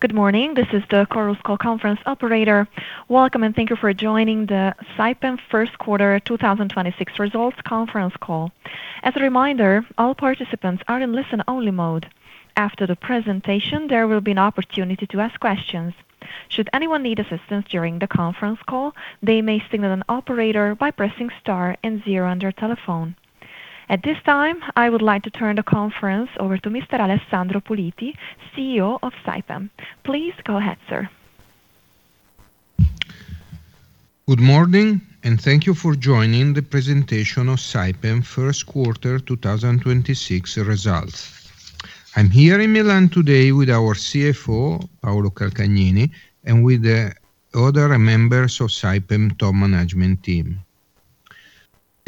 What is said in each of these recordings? Good morning. This is the Chorus Call conference operator. Welcome, and thank you for joining the Saipem first quarter 2026 results conference call. As a reminder, all participants are in listen-only mode. After the presentation, there will be an opportunity to ask questions. Should anyone need assistance during the conference call, they may signal an operator by pressing star and zero on their telephone. At this time, I would like to turn the conference over to Mr. Alessandro Puliti, CEO of Saipem. Please go ahead, sir. Good morning, and thank you for joining the presentation of Saipem first quarter 2026 results. I'm here in Milan today with our CFO, Paolo Calcagnini, and with the other members of Saipem top management team.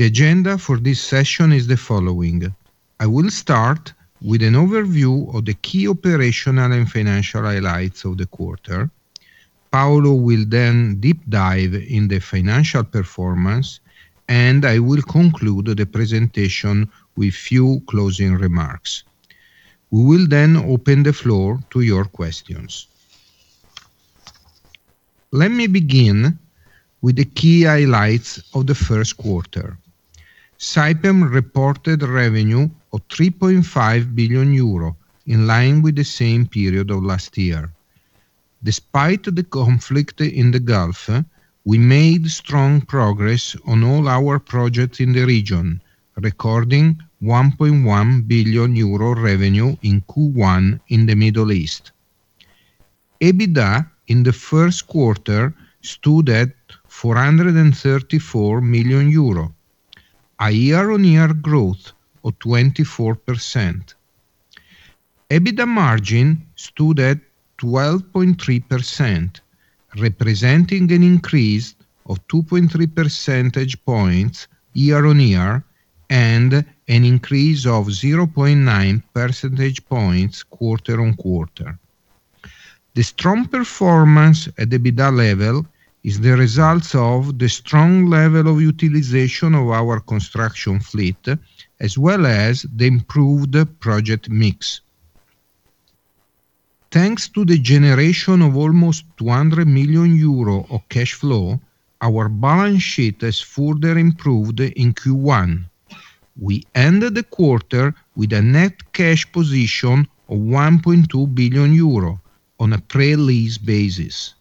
The agenda for this session is the following. I will start with an overview of the key operational and financial highlights of the quarter. Paolo will then deep dive in the financial performance, and I will conclude the presentation with few closing remarks. We will then open the floor to your questions. Let me begin with the key highlights of the first quarter. Saipem reported revenue of 3.5 billion euro, in line with the same period of last year. Despite the conflict in the Gulf, we made strong progress on all our projects in the region, recording 1.1 billion euro revenue in Q1 in the Middle East. EBITDA in the first quarter stood at 434 million euro, a year-on-year growth of 24%. EBITDA margin stood at 12.3%, representing an increase of 2.3 percentage points year-on-year and an increase of 0.9 percentage points quarter-on-quarter. The strong performance at EBITDA level is the result of the strong level of utilization of our construction fleet, as well as the improved project mix. Thanks to the generation of almost 200 million euro of cash flow, our balance sheet has further improved in Q1. We ended the quarter with a net cash position of 1.2 billion euro on a pre-lease basis.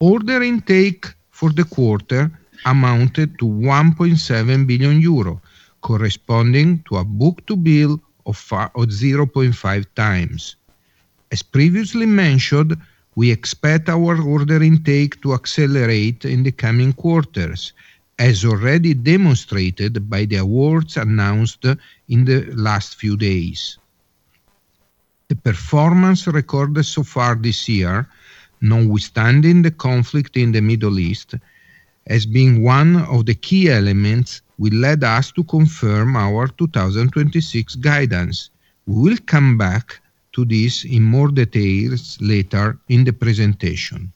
Order intake for the quarter amounted to 1.7 billion euro, corresponding to a book-to-bill of 0.5x. As previously mentioned, we expect our order intake to accelerate in the coming quarters, as already demonstrated by the awards announced in the last few days. The performance recorded so far this year, notwithstanding the conflict in the Middle East, as being one of the key elements will lead us to confirm our 2026 guidance. We will come back to this in more details later in the presentation.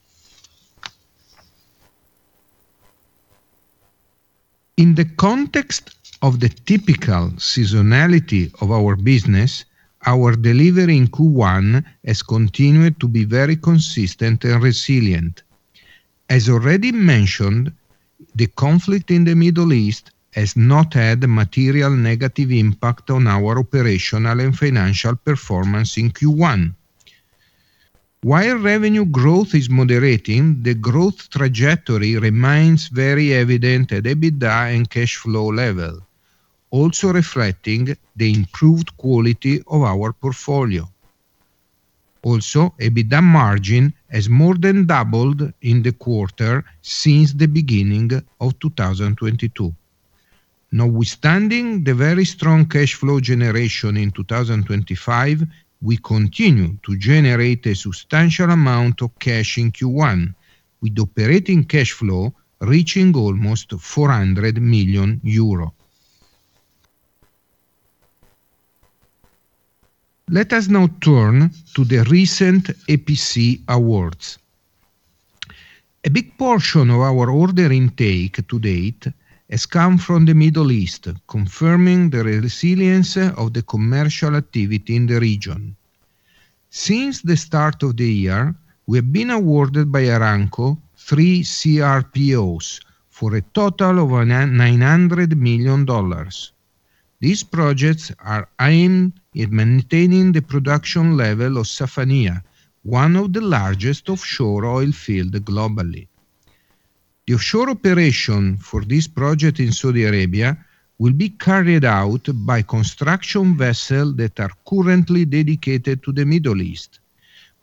In the context of the typical seasonality of our business, our delivery in Q1 has continued to be very consistent and resilient. As already mentioned, the conflict in the Middle East has not had a material negative impact on our operational and financial performance in Q1. While revenue growth is moderating, the growth trajectory remains very evident at EBITDA and cash flow level, also reflecting the improved quality of our portfolio. Also, EBITDA margin has more than doubled in the quarter since the beginning of 2022. Notwithstanding the very strong cash flow generation in 2025, we continue to generate a substantial amount of cash in Q1, with operating cash flow reaching almost 400 million euro. Let us now turn to the recent EPC awards. A big portion of our order intake to date has come from the Middle East, confirming the resilience of the commercial activity in the region. Since the start of the year, we have been awarded by Aramco three CRPOs for a total of $900 million. These projects are aimed at maintaining the production level of Safaniya, one of the largest offshore oil field globally. The offshore operation for this project in Saudi Arabia will be carried out by construction vessels that are currently dedicated to the Middle East,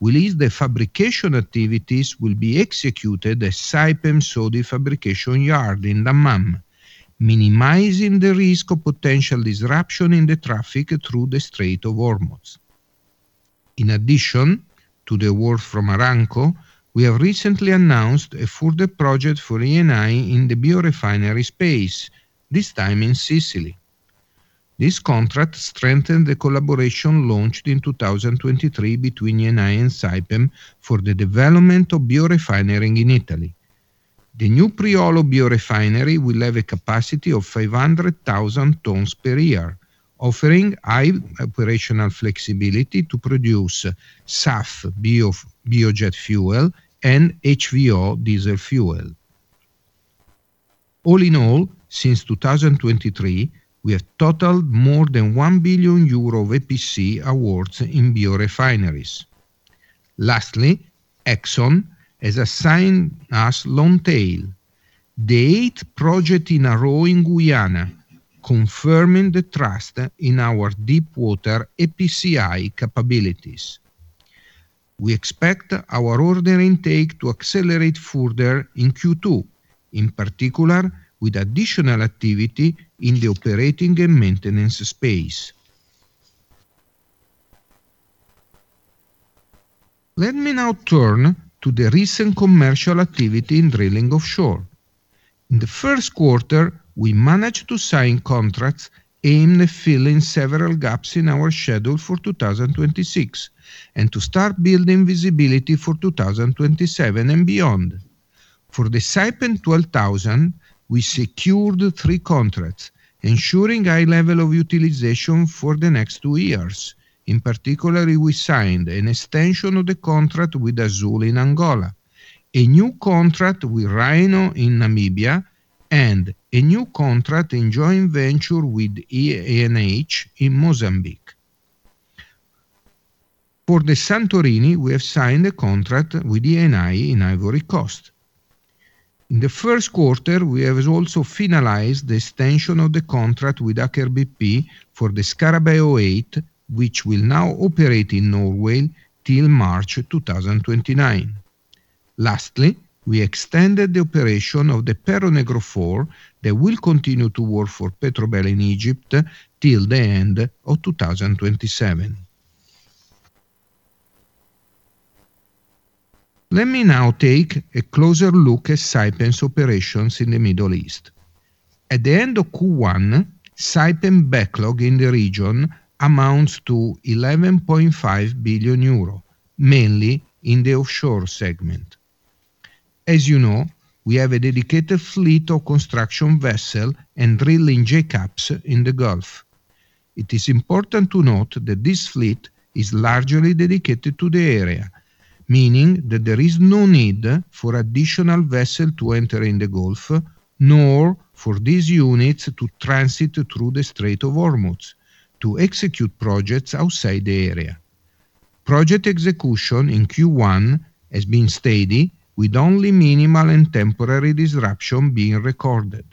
while the fabrication activities will be executed at Saipem Saudi Fabrication Yard in Dammam, minimizing the risk of potential disruption in the traffic through the Strait of Hormuz. In addition to the award from Aramco, we have recently announced a further project for Eni in the biorefinery space, this time in Sicily. This contract strengthened the collaboration launched in 2023 between Eni and Saipem for the development of biorefinery in Italy. The new Priolo biorefinery will have a capacity of 500,000 tons per year, offering high operational flexibility to produce SAF bio-jet fuel and HVO diesel fuel. All in all, since 2023, we have totaled more than 1 billion euro of EPC awards in biorefineries. Lastly, ExxonMobil has assigned us Longtail, the eighth project in a row in Guyana, confirming the trust in our deepwater EPCI capabilities. We expect our order intake to accelerate further in Q2, in particular with additional activity in the operating and maintenance space. Let me now turn to the recent commercial activity in drilling offshore. In the first quarter, we managed to sign contracts aimed at filling several gaps in our schedule for 2026, and to start building visibility for 2027 and beyond. For the Saipem 12,000, we secured three contracts ensuring high level of utilization for the next two years. In particular, we signed an extension of the contract with Azule in Angola, a new contract with Rhino in Namibia, and a new contract in joint venture with ENH in Mozambique. For the Santorini, we have signed a contract with Eni in Ivory Coast. In the first quarter, we have also finalized the extension of the contract with Aker BP for the Scarabeo 8, which will now operate in Norway till March 2029. Lastly, we extended the operation of the Perro Negro 4 that will continue to work for Petrobel in Egypt till the end of 2027. Let me now take a closer look at Saipem's operations in the Middle East. At the end of Q1, Saipem backlog in the region amounts to 11.5 billion euro, mainly in the offshore segment. As you know, we have a dedicated fleet of construction vessels and drilling jackups in the Gulf. It is important to note that this fleet is largely dedicated to the area, meaning that there is no need for additional vessel to enter in the Gulf, nor for these units to transit through the Strait of Hormuz to execute projects outside the area. Project execution in Q1 has been steady with only minimal and temporary disruption being recorded.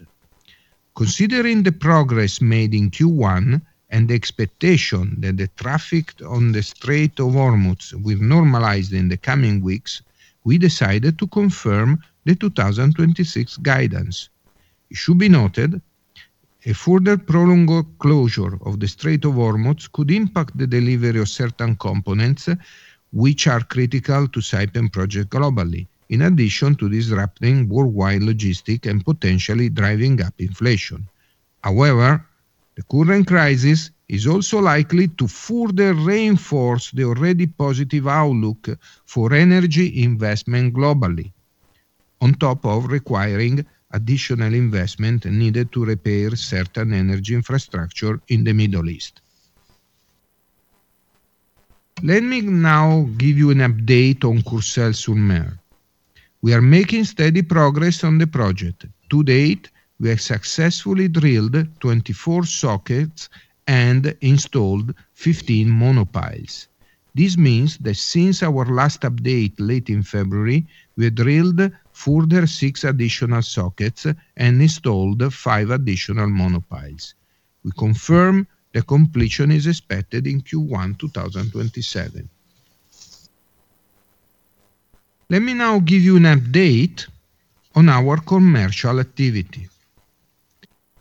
Considering the progress made in Q1 and the expectation that the traffic on the Strait of Hormuz will normalize in the coming weeks, we decided to confirm the 2026 guidance. It should be noted that a further prolonged closure of the Strait of Hormuz could impact the delivery of certain components which are critical to Saipem projects globally, in addition to disrupting worldwide logistics and potentially driving up inflation. However, the current crisis is also likely to further reinforce the already positive outlook for energy investment globally, on top of requiring additional investment needed to repair certain energy infrastructure in the Middle East. Let me now give you an update on Courseulles-sur-Mer. We are making steady progress on the project. To date, we have successfully drilled 24 sockets and installed 15 monopiles. This means that since our last update late in February, we have drilled further six additional sockets and installed five additional monopiles. We confirm that completion is expected in Q1 2027. Let me now give you an update on our commercial activity.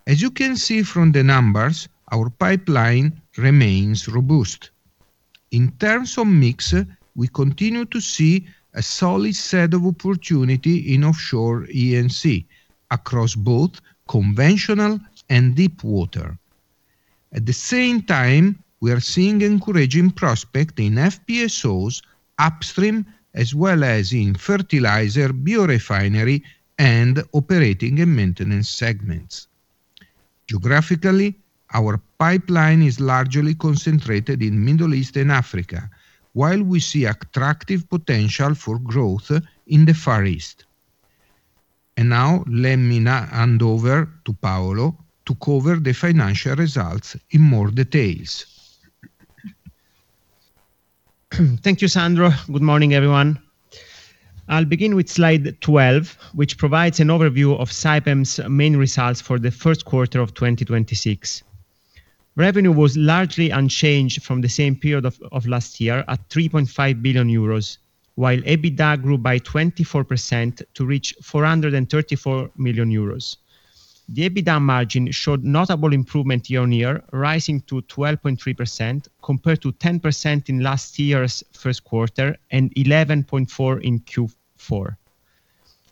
As you can see from the numbers, our pipeline remains robust. In terms of mix, we continue to see a solid set of opportunity in offshore E&C, across both conventional and deepwater. At the same time, we are seeing encouraging prospect in FPSOs upstream, as well as in fertilizer, biorefinery, and operating and maintenance segments. Geographically, our pipeline is largely concentrated in Middle East and Africa. While we see attractive potential for growth in the Far East. Now let me now hand over to Paolo to cover the financial results in more details. Thank you, Alessandro. Good morning, everyone. I'll begin with slide 12, which provides an overview of Saipem's main results for the first quarter of 2026. Revenue was largely unchanged from the same period of last year at 3.5 billion euros, while EBITDA grew by 24% to reach 434 million euros. The EBITDA margin showed notable improvement year-on-year, rising to 12.3% compared to 10% in last year's first quarter and 11.4% in Q4.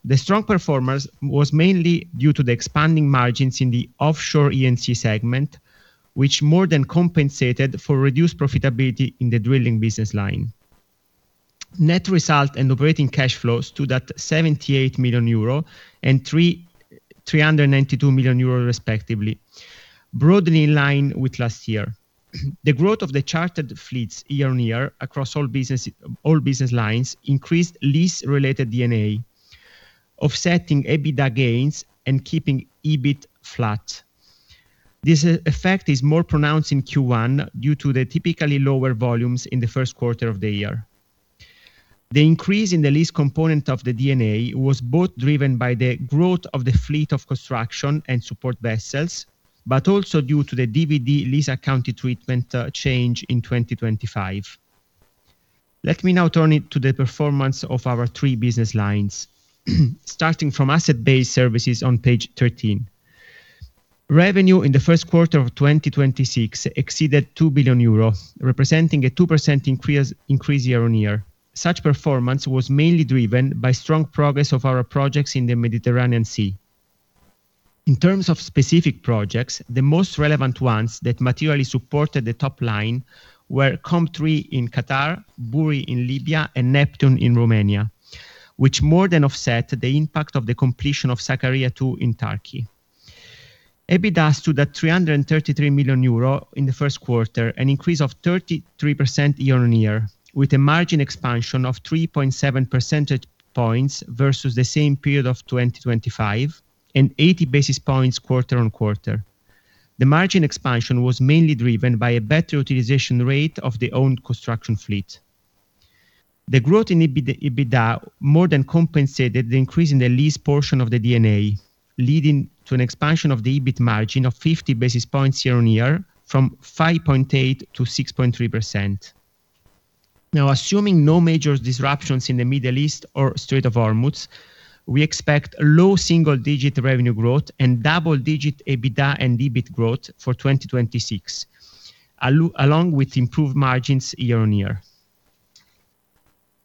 The strong performance was mainly due to the expanding margins in the offshore E&C segment, which more than compensated for reduced profitability in the drilling business line. Net result and operating cash flows stood at 78 million euro and 392 million euro respectively, broadly in line with last year. The growth of the chartered fleets year-on-year across all business lines increased lease related D&A, offsetting EBITDA gains and keeping EBIT flat. This effect is more pronounced in Q1 due to the typically lower volumes in the first quarter of the year. The increase in the lease component of the D&A was both driven by the growth of the fleet of construction and support vessels, but also due to the D&A lease accounting treatment change in 2025. Let me now turn it to the performance of our three business lines. Starting from asset-based services on page 13. Revenue in the first quarter of 2026 exceeded 2 billion euros, representing a 2% increase year-over-year. Such performance was mainly driven by strong progress of our projects in the Mediterranean Sea. In terms of specific projects, the most relevant ones that materially supported the top line were COMP3 in Qatar, Bouri in Libya, and Neptun in Romania, which more than offset the impact of the completion of Sakarya II in Turkey. EBITDA stood at 333 million euro in the first quarter, an increase of 33% year-on-year, with a margin expansion of 3.7 percentage points versus the same period of 2023 and 80 basis points quarter-on-quarter. The margin expansion was mainly driven by a better utilization rate of the owned construction fleet. The growth in EBITDA more than compensated the increase in the lease portion of the D&A, leading to an expansion of the EBIT margin of 50 basis points year-on-year from 5.8%-6.3%. Now, assuming no major disruptions in the Middle East or Strait of Hormuz, we expect low single-digit revenue growth and double-digit EBITDA and EBIT growth for 2026, along with improved margins year-on-year.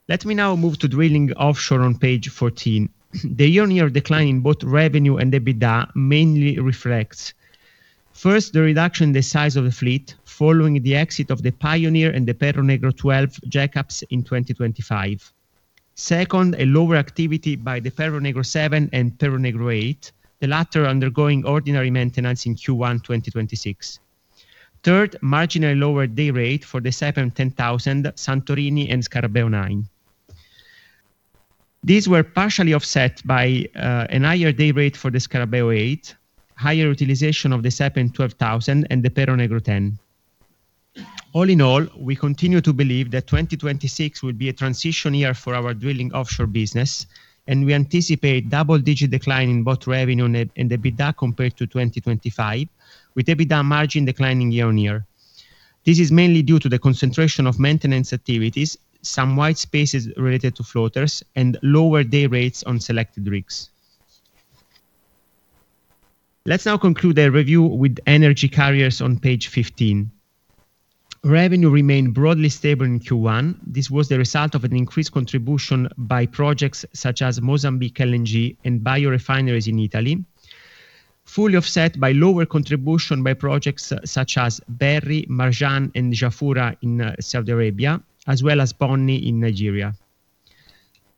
Let me now move to drilling offshore on page 14. The year-on-year decline in both revenue and EBITDA mainly reflects first, the reduction in the size of the fleet following the exit of the Pioneer and the Perro Negro 12 jack-ups in 2025. Second, a lower activity by the Perro Negro 7 and Perro Negro 8, the latter undergoing ordinary maintenance in Q1 2026. Third, marginally lower day rate for the Saipem 10000, Santorini and Scarabeo 9. These were partially offset by a higher day rate for the Scarabeo 8, higher utilization of the Saipem 12000 and the Perro Negro 10. All in all, we continue to believe that 2026 will be a transition year for our drilling offshore business, and we anticipate double-digit decline in both revenue and EBITDA compared to 2025, with EBITDA margin declining year-on-year. This is mainly due to the concentration of maintenance activities, some white spaces related to floaters, and lower day rates on selected rigs. Let's now conclude the review with energy carriers on page 15. Revenue remained broadly stable in Q1. This was the result of an increased contribution by projects such as Mozambique LNG and biorefineries in Italy, fully offset by lower contribution by projects such as Berri, Marjan and Jafurah in Saudi Arabia, as well as Bonny in Nigeria.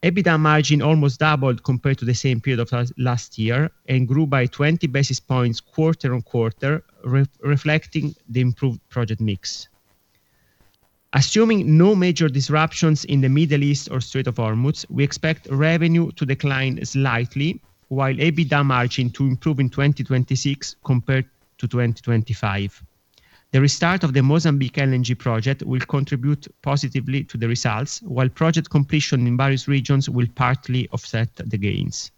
EBITDA margin almost doubled compared to the same period of last year and grew by 20 basis points quarter on quarter, reflecting the improved project mix. Assuming no major disruptions in the Middle East or Strait of Hormuz, we expect revenue to decline slightly, while EBITDA margin to improve in 2026 compared to 2025. The restart of the Mozambique LNG project will contribute positively to the results, while project completion in various regions will partly offset the gains.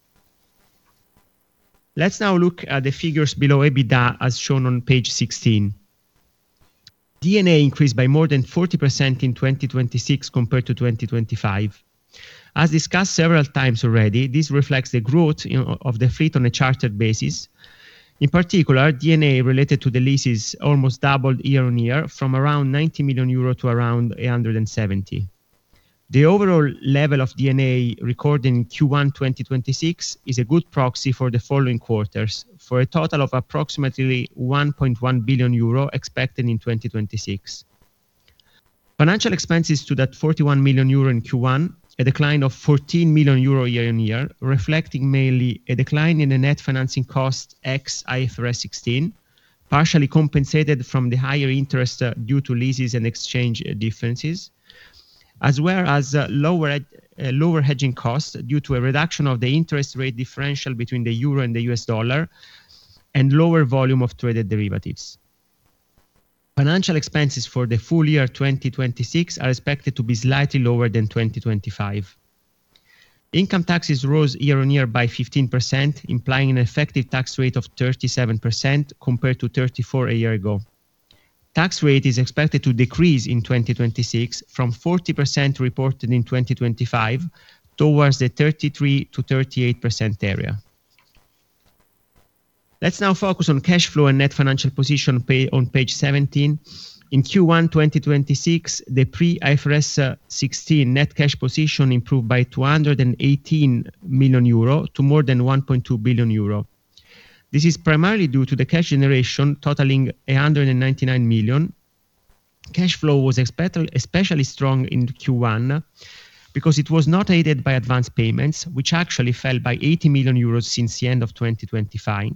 Let's now look at the figures below EBITDA as shown on page 16. D&A increased by more than 40% in 2026 compared to 2025. As discussed several times already, this reflects the growth of the fleet on a chartered basis. In particular, D&A related to the leases almost doubled year-on-year from around 90 million euro to around 170 million. The overall level of D&A recorded in Q1 2026 is a good proxy for the following quarters, for a total of approximately 1.1 billion euro expected in 2026. Financial expenses totaled 41 million euro in Q1, a decline of 14 million euro year-on-year, reflecting mainly a decline in the net financing cost ex IFRS 16, partially compensated by the higher interest due to leases and exchange differences, as well as lower hedging costs due to a reduction of the interest rate differential between the euro and the US dollar and lower volume of traded derivatives. Financial expenses for the full year 2026 are expected to be slightly lower than 2025. Income taxes rose year-on-year by 15%, implying an effective tax rate of 37% compared to 34% a year ago. Tax rate is expected to decrease in 2026 from 40% reported in 2025 towards the 33%-38% area. Let's now focus on cash flow and net financial position on page 17. In Q1 2026, the pre-IFRS 16 net cash position improved by 218 million euro to more than 1.2 billion euro. This is primarily due to the cash generation totaling 899 million. Cash flow was especially strong in Q1 because it was not aided by advanced payments, which actually fell by 80 million euros since the end of 2025,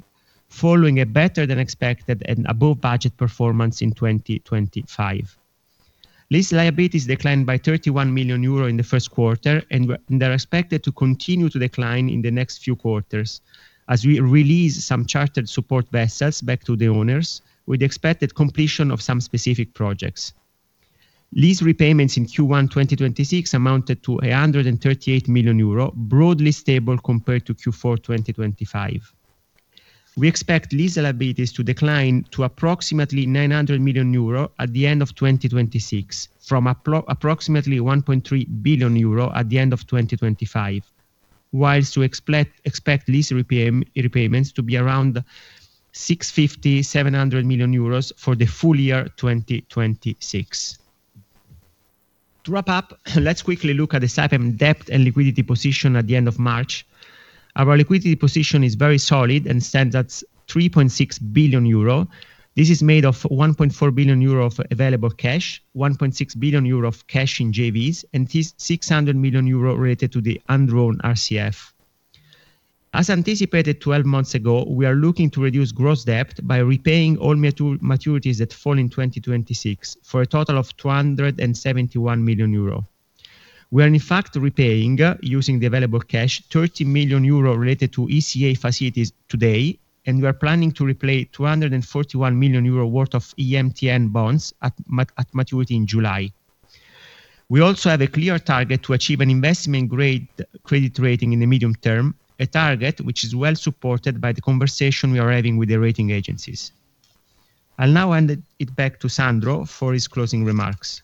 following a better than expected and above-budget performance in 2025. Lease liabilities declined by 31 million euro in the first quarter, and they are expected to continue to decline in the next few quarters as we release some chartered support vessels back to the owners, with the expected completion of some specific projects. Lease repayments in Q1 2026 amounted to 138 million euro, broadly stable compared to Q4 2025. We expect lease liabilities to decline to approximately 900 million euro at the end of 2026 from approximately 1.3 Billion euro at the end of 2025. While we expect lease repayments to be around 650 million-700 million euros for the full year 2026. To wrap up, let's quickly look at the Saipem debt and liquidity position at the end of March. Our liquidity position is very solid and stands at 3.6 billion euro. This is made of 1.4 billion euro of available cash, 1.6 billion euro of cash in JVs, and 600 million euro related to the undrawn RCF. As anticipated 12 months ago, we are looking to reduce gross debt by repaying all maturities that fall in 2026 for a total of 271 million euro. We are, in fact, repaying, using the available cash, 30 million euro related to ECA facilities today, and we are planning to repay 241 million euro worth of EMTN bonds at maturity in July. We also have a clear target to achieve an investment-grade credit rating in the medium term, a target which is well supported by the conversation we are having with the rating agencies. I'll now hand it back to Alessandro for his closing remarks.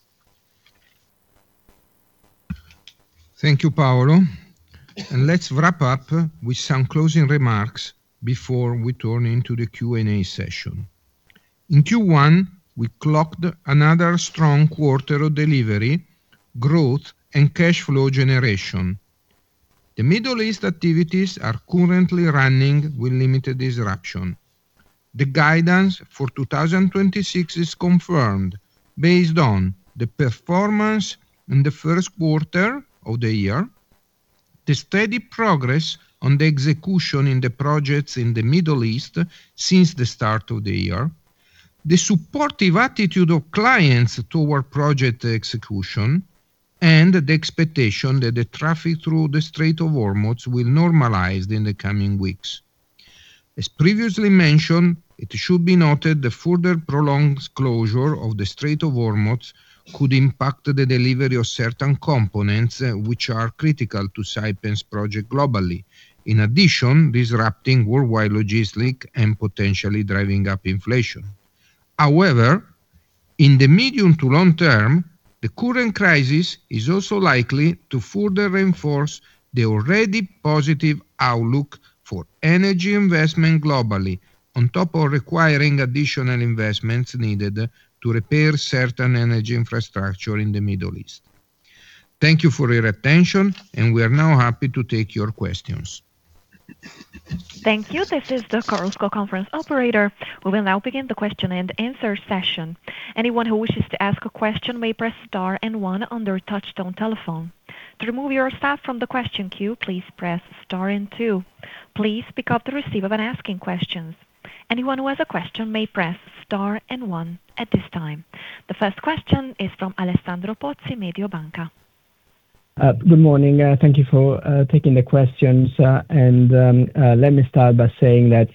Thank you, Paolo. Let's wrap up with some closing remarks before we turn to the Q&A session. In Q1, we clocked another strong quarter of delivery, growth, and cash flow generation. The Middle East activities are currently running with limited disruption. The guidance for 2026 is confirmed based on the performance in the first quarter of the year, the steady progress on the execution in the projects in the Middle East since the start of the year, the supportive attitude of clients toward project execution, and the expectation that the traffic through the Strait of Hormuz will normalize in the coming weeks. As previously mentioned, it should be noted the further prolonged closure of the Strait of Hormuz could impact the delivery of certain components which are critical to Saipem's project globally, in addition disrupting worldwide logistics and potentially driving up inflation. However, in the medium to long term, the current crisis is also likely to further reinforce the already positive outlook for energy investment globally on top of requiring additional investments needed to repair certain energy infrastructure in the Middle East. Thank you for your attention, and we are now happy to take your questions. Thank you. This is the Chorus Call Conference Operator. We will now begin the question and answer session. Anyone who wishes to ask a question may press star and one on their touchstone telephone. To remove yourself from the question queue please press star and two. Please pick up the receiver to ask a question. Anyone with a question may press star and one at this time. The first question is from Alessandro Pozzi, Mediobanca. Good morning. Thank you for taking the questions. Let me start by saying that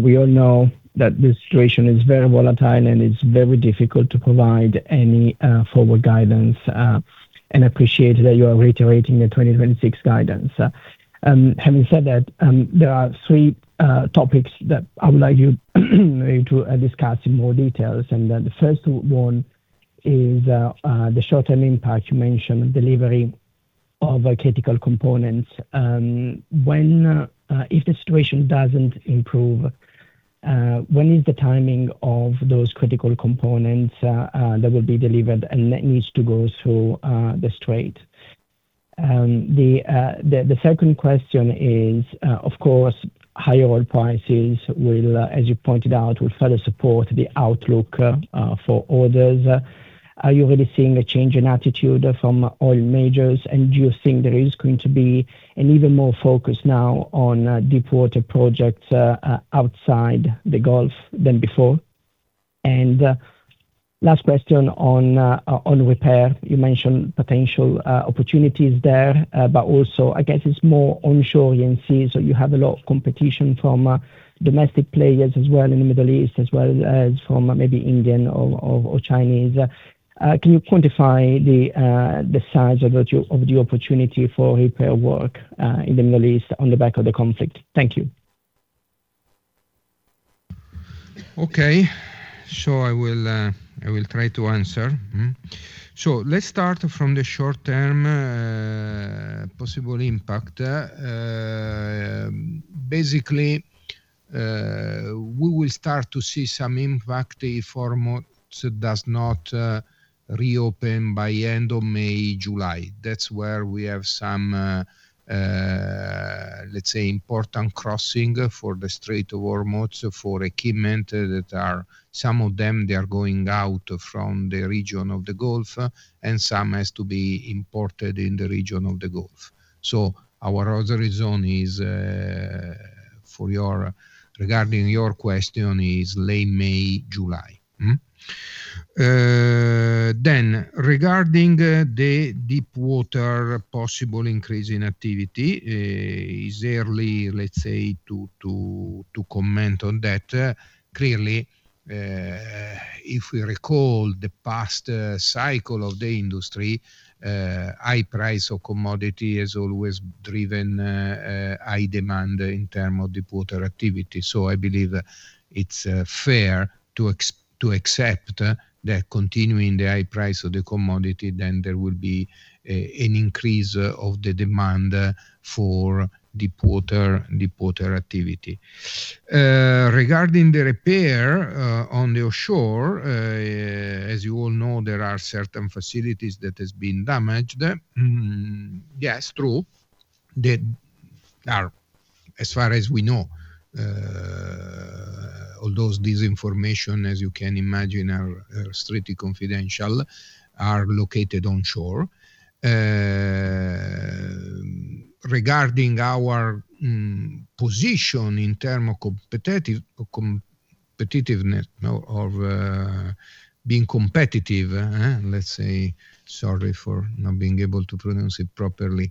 we all know that the situation is very volatile and it's very difficult to provide any forward guidance, and appreciate that you are reiterating the 2026 guidance. Having said that, there are three topics that I would like you to discuss in more details. The first one is the short-term impact. You mentioned delivery of critical components. If the situation doesn't improve, when is the timing of those critical components that will be delivered and that needs to go through the Strait? The second question is, of course, higher oil prices, as you pointed out, will further support the outlook for orders. Are you really seeing a change in attitude from oil majors? Do you think there is going to be an even more focus now on deep water projects outside the Gulf than before? Last question on repair. You mentioned potential opportunities there, but also, I guess it's more onshore you can see. You have a lot of competition from domestic players as well in the Middle East as well as from maybe Indian or Chinese. Can you quantify the size of the opportunity for repair work in the Middle East on the back of the conflict? Thank you. Okay. I will try to answer. Let's start from the short-term possible impact. Basically, we will start to see some impact if Hormuz does not reopen by end of May, July. That's where we have some, let's say, important crossing for the Strait of Hormuz for equipment that are, some of them, they are going out from the region of the Gulf, and some has to be imported in the region of the Gulf. Our other zone regarding your question is late May, July. Regarding the deep water possible increase in activity, is early, let's say, to comment on that. Clearly, if we recall the past cycle of the industry, high price of commodity has always driven high demand in terms of deep water activity. I believe it's fair to accept that continuing the high price of the commodity, then there will be an increase of the demand for deep water activity. Regarding the repair on the offshore, as you all know, there are certain facilities that has been damaged. Yes, true. That are, as far as we know, although this information, as you can imagine, are strictly confidential, are located onshore. Regarding our position in term of competitiveness or of being competitive, let's say, sorry for not being able to pronounce it properly,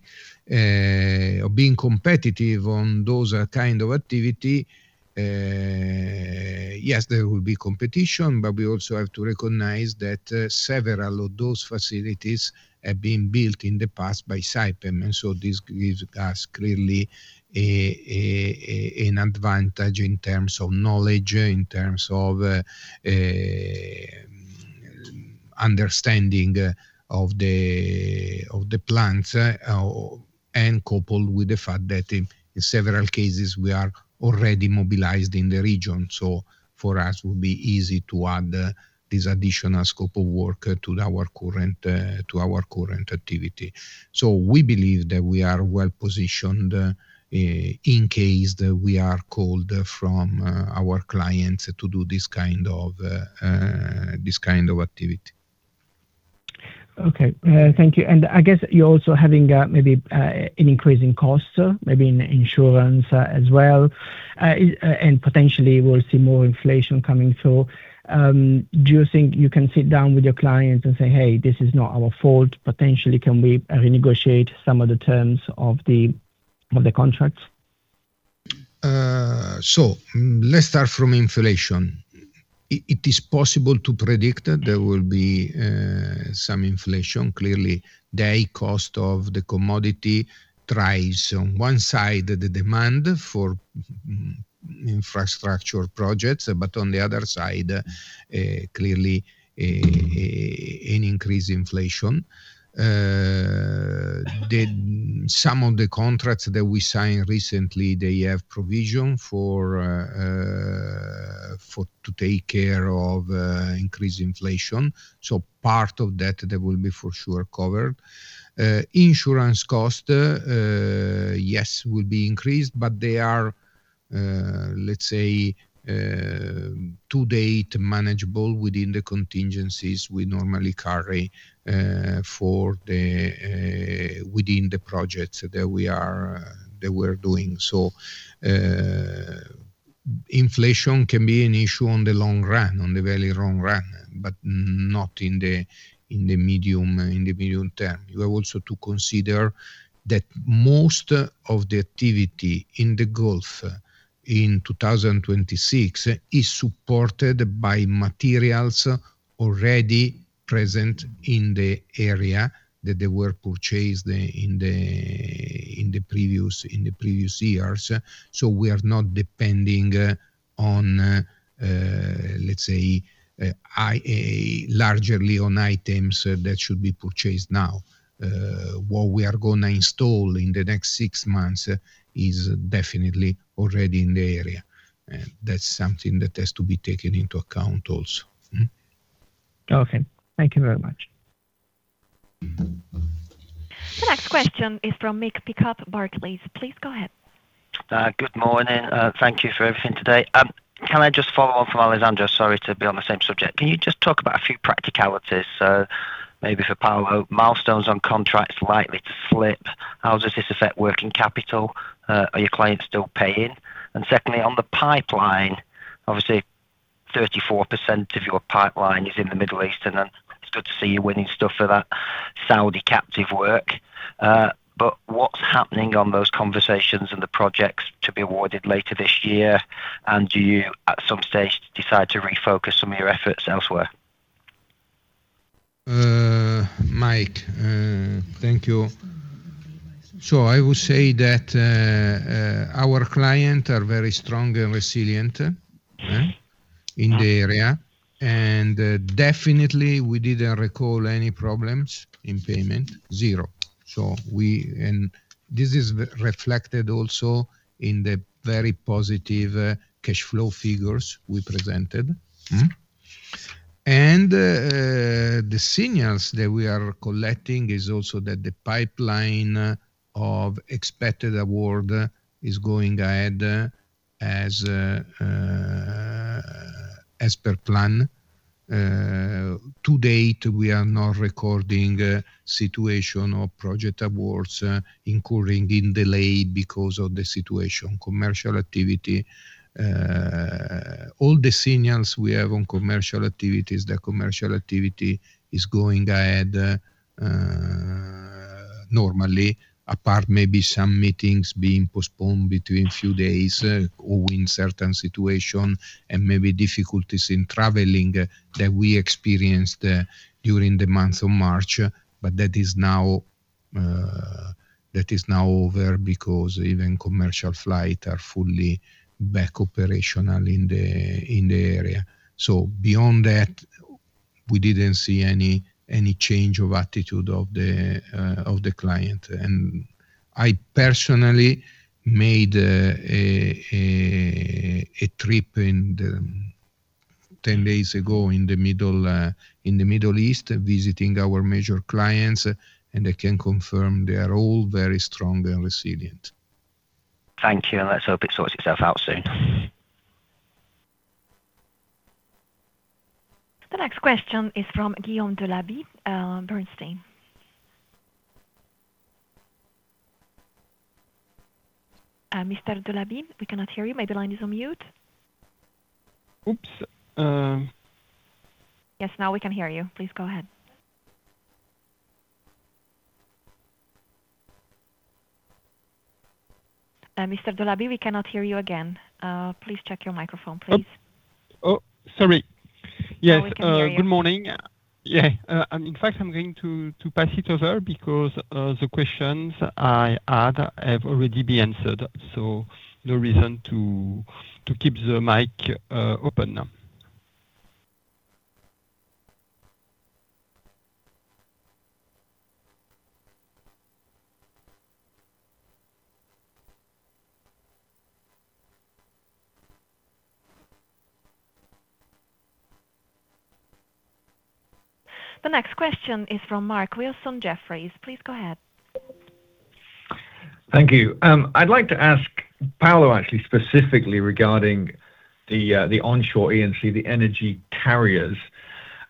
or being competitive on those kind of activity, yes, there will be competition, but we also have to recognize that several of those facilities have been built in the past by Saipem. This gives us clearly an advantage in terms of knowledge, in terms of understanding of the plants, and coupled with the fact that in several cases, we are already mobilized in the region. For us, it will be easy to add this additional scope of work to our current activity. We believe that we are well-positioned in case we are called from our clients to do this kind of activity. Okay. Thank you. I guess you're also having maybe an increase in costs, maybe in insurance as well, and potentially we'll see more inflation coming. Do you think you can sit down with your clients and say, "Hey, this is not our fault." Potentially, can we renegotiate some of the terms of the contracts? Let's start from inflation. It is possible to predict there will be some inflation. Clearly, the high cost of the commodity drives, on one side, the demand for infrastructure projects, but on the other side, clearly, an increased inflation. Some of the contracts that we signed recently, they have provision to take care of increased inflation. Part of that will be for sure covered. Insurance cost, yes, will be increased, but they are, let's say, to date, manageable within the contingencies we normally carry within the projects that we're doing. Inflation can be an issue on the long run, on the very long run, but not in the medium term. You have also to consider that most of the activity in the Gulf in 2026 is supported by materials already present in the area, that they were purchased in the previous years. We are not depending on, let's say, largely on items that should be purchased now. What we are going to install in the next six months is definitely already in the area, and that's something that has to be taken into account also. Okay. Thank you very much. The next question is from Mick Pickup, Barclays. Please go ahead. Good morning. Thank you for everything today. Can I just follow up from Alessandro? Sorry to be on the same subject. Can you just talk about a few practicalities? Maybe for power milestones on contracts likely to slip, how does this affect working capital? Are your clients still paying? Secondly, on the pipeline, obviously, 34% of your pipeline is in the Middle East, and it's good to see you winning stuff for that Saudi captive work. What's happening on those conversations and the projects to be awarded later this year? Do you, at some stage, decide to refocus some of your efforts elsewhere? Mick, thank you. I would say that our client are very strong and resilient. Mm-hmm. In the area, and definitely we didn't recall any problems in payment. Zero. This is reflected also in the very positive cash flow figures we presented. The signals that we are collecting is also that the pipeline of expected award is going ahead as per plan. To date, we are not recording a situation of project awards incurring in delay because of the situation. Commercial activity, all the signals we have on commercial activities, the commercial activity is going ahead normally, apart maybe some meetings being postponed between few days or in certain situation and maybe difficulties in traveling that we experienced during the month of March. That is now over because even commercial flight are fully back operational in the area. Beyond that, we didn't see any change of attitude of the client. I personally made a trip 10 days ago in the Middle East, visiting our major clients, and I can confirm they are all very strong and resilient. Thank you, and let's hope it sorts itself out soon. The next question is from Guillaume Delaby, Bernstein. Mr. Delaby, we cannot hear you. Maybe line is on mute? Oops. Yes, now we can hear you. Please go ahead. Mr. Delaby, we cannot hear you again. Please check your microphone, please. Oh, sorry. Yes. Now we can hear you. Good morning. Yeah. In fact, I'm going to pass it over because the questions I had have already been answered, so no reason to keep the mic open now. The next question is from Mark Wilson, Jefferies. Please go ahead. Thank you. I'd like to ask Paolo actually specifically regarding the onshore E&C, the energy carriers.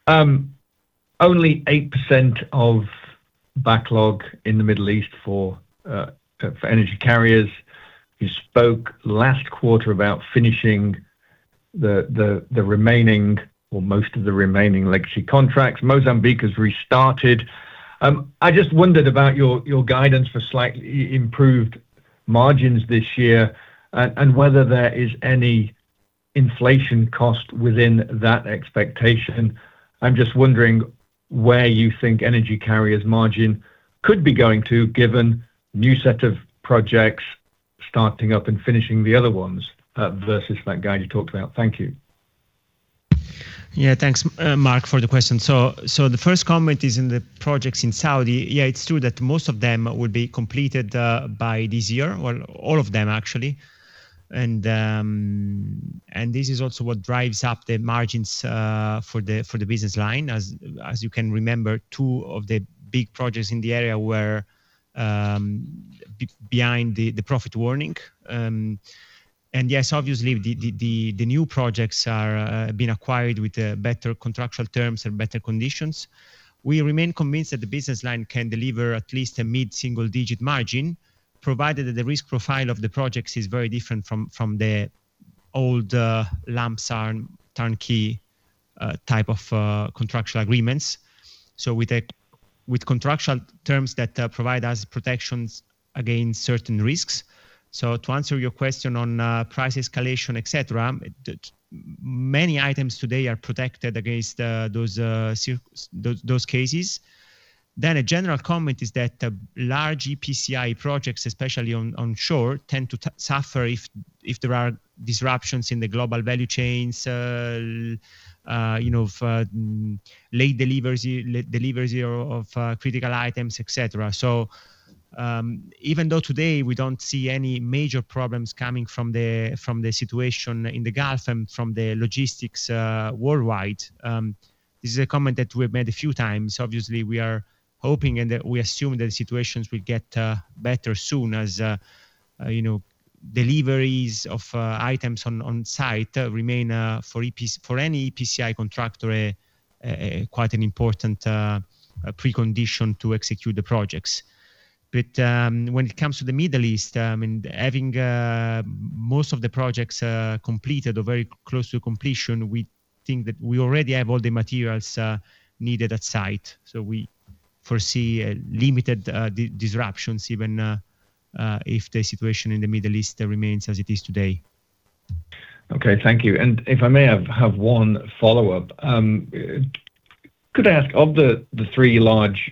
Only 8% of backlog in the Middle East for energy carriers. You spoke last quarter about finishing the remaining, or most of the remaining legacy contracts. Mozambique has restarted. I just wondered about your guidance for slightly improved margins this year and whether there is any inflation cost within that expectation. I'm just wondering where you think energy carriers margin could be going to, given new set of projects starting up and finishing the other ones versus that guide you talked about. Thank you. Yeah, thanks, Mark, for the question. The first comment is in the projects in Saudi. Yeah, it's true that most of them will be completed by this year, or all of them actually. This is also what drives up the margins for the business line. As you can remember, two of the big projects in the area were behind the profit warning. Yes, obviously the new projects are being acquired with better contractual terms and better conditions. We remain convinced that the business line can deliver at least a mid-single digit margin, provided that the risk profile of the projects is very different from the old lumps and turnkey type of contractual agreements with contractual terms that provide us protections against certain risks. To answer your question on price escalation, et cetera, many items today are protected against those cases. A general comment is that large EPCI projects, especially on shore, tend to suffer if there are disruptions in the global value chains, for late deliveries of critical items, et cetera. Even though today we don't see any major problems coming from the situation in the Gulf and from the logistics worldwide, this is a comment that we have made a few times. Obviously, we are hoping and that we assume that the situations will get better soon as deliveries of items on site remain for any EPCI contractor, quite an important precondition to execute the projects. When it comes to the Middle East, having most of the projects completed or very close to completion, we think that we already have all the materials needed at site. We foresee limited disruptions even if the situation in the Middle East remains as it is today. Okay, thank you. If I may have one follow-up. Could I ask, of the three large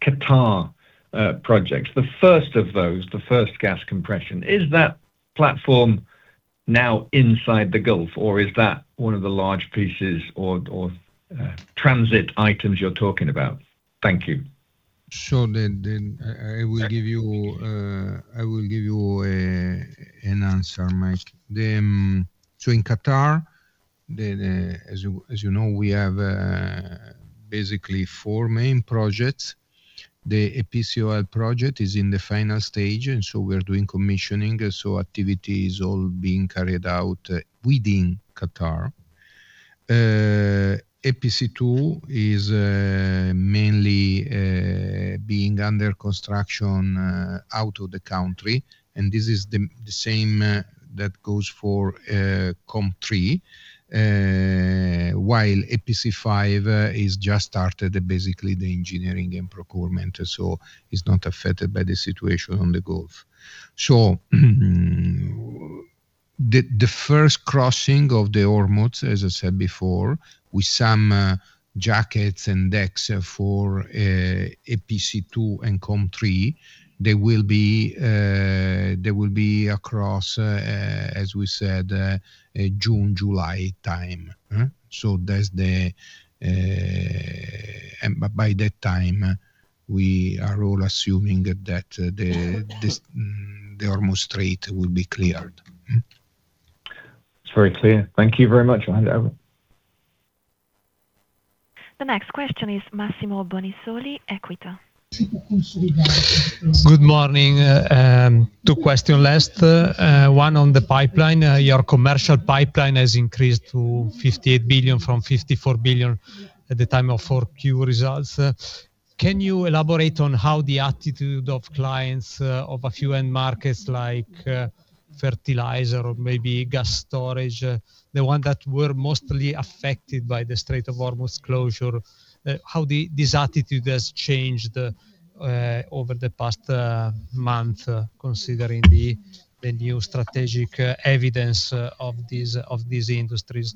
Qatar projects, the first of those, the first gas compression, is that platform now inside the Gulf, or is that one of the large pieces or transit items you're talking about? Thank you. Sure. I will give you an answer, Mark. In Qatar, as you know, we have basically four main projects. The EPCI project is in the final stage, and so we are doing commissioning. Activity is all being carried out within Qatar. EPC 2 is mainly being under construction out of the country, and this is the same that goes for COMP3, while EPC 5 has just started, basically the engineering and procurement. It's not affected by the situation on the Gulf. The first crossing of the Hormuz, as I said before, with some jackets and decks for EPC 2 and COMP3, they will be across, as we said, June, July time. By that time, we are all assuming that the Hormuz Strait will be cleared. It's very clear. Thank you very much. Over. The next question is Massimo Bonisoli, Equita. Good morning. Two questions. One on the pipeline. Your commercial pipeline has increased to 58 billion from 54 billion at the time of 4Q results. Can you elaborate on how the attitude of clients of a few end markets like fertilizer or maybe gas storage, the ones that were mostly affected by the Strait of Hormuz closure, how this attitude has changed over the past month, considering the new strategic evidence of these industries?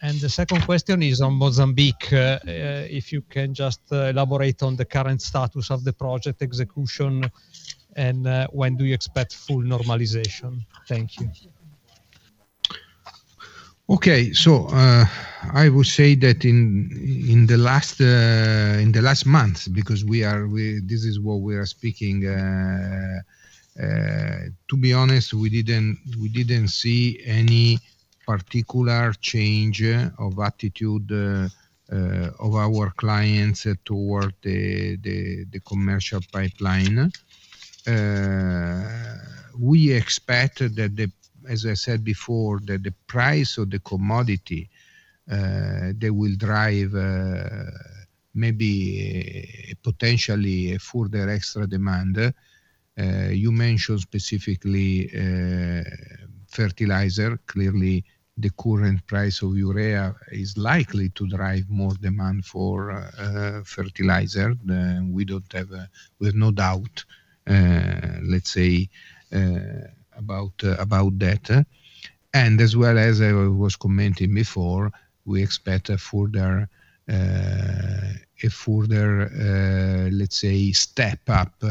The second question is on Mozambique. If you can just elaborate on the current status of the project execution and when do you expect full normalization? Thank you. Okay. I will say that in the last month, because this is what we are speaking, to be honest, we didn't see any particular change of attitude, of our clients toward the commercial pipeline. We expect, as I said before, that the price of the commodity, they will drive, maybe potentially further extra demand. You mentioned specifically fertilizer. Clearly the current price of urea is likely to drive more demand for fertilizer. We have no doubt, let's say, about that. As well, as I was commenting before, we expect a further, let's say, step up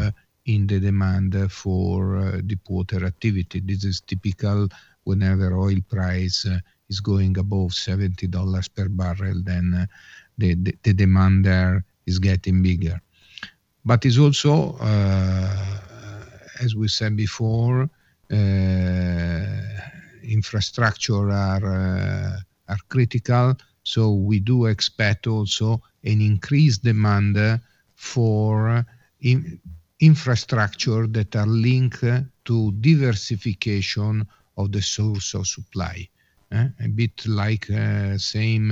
in the demand for deepwater activity. This is typical. Whenever oil price is going above $70 per barrel, then the demand there is getting bigger. It's also, as we said before, infrastructure are critical. We do expect also an increased demand for infrastructure that are linked to diversification of the source of supply. A bit like the same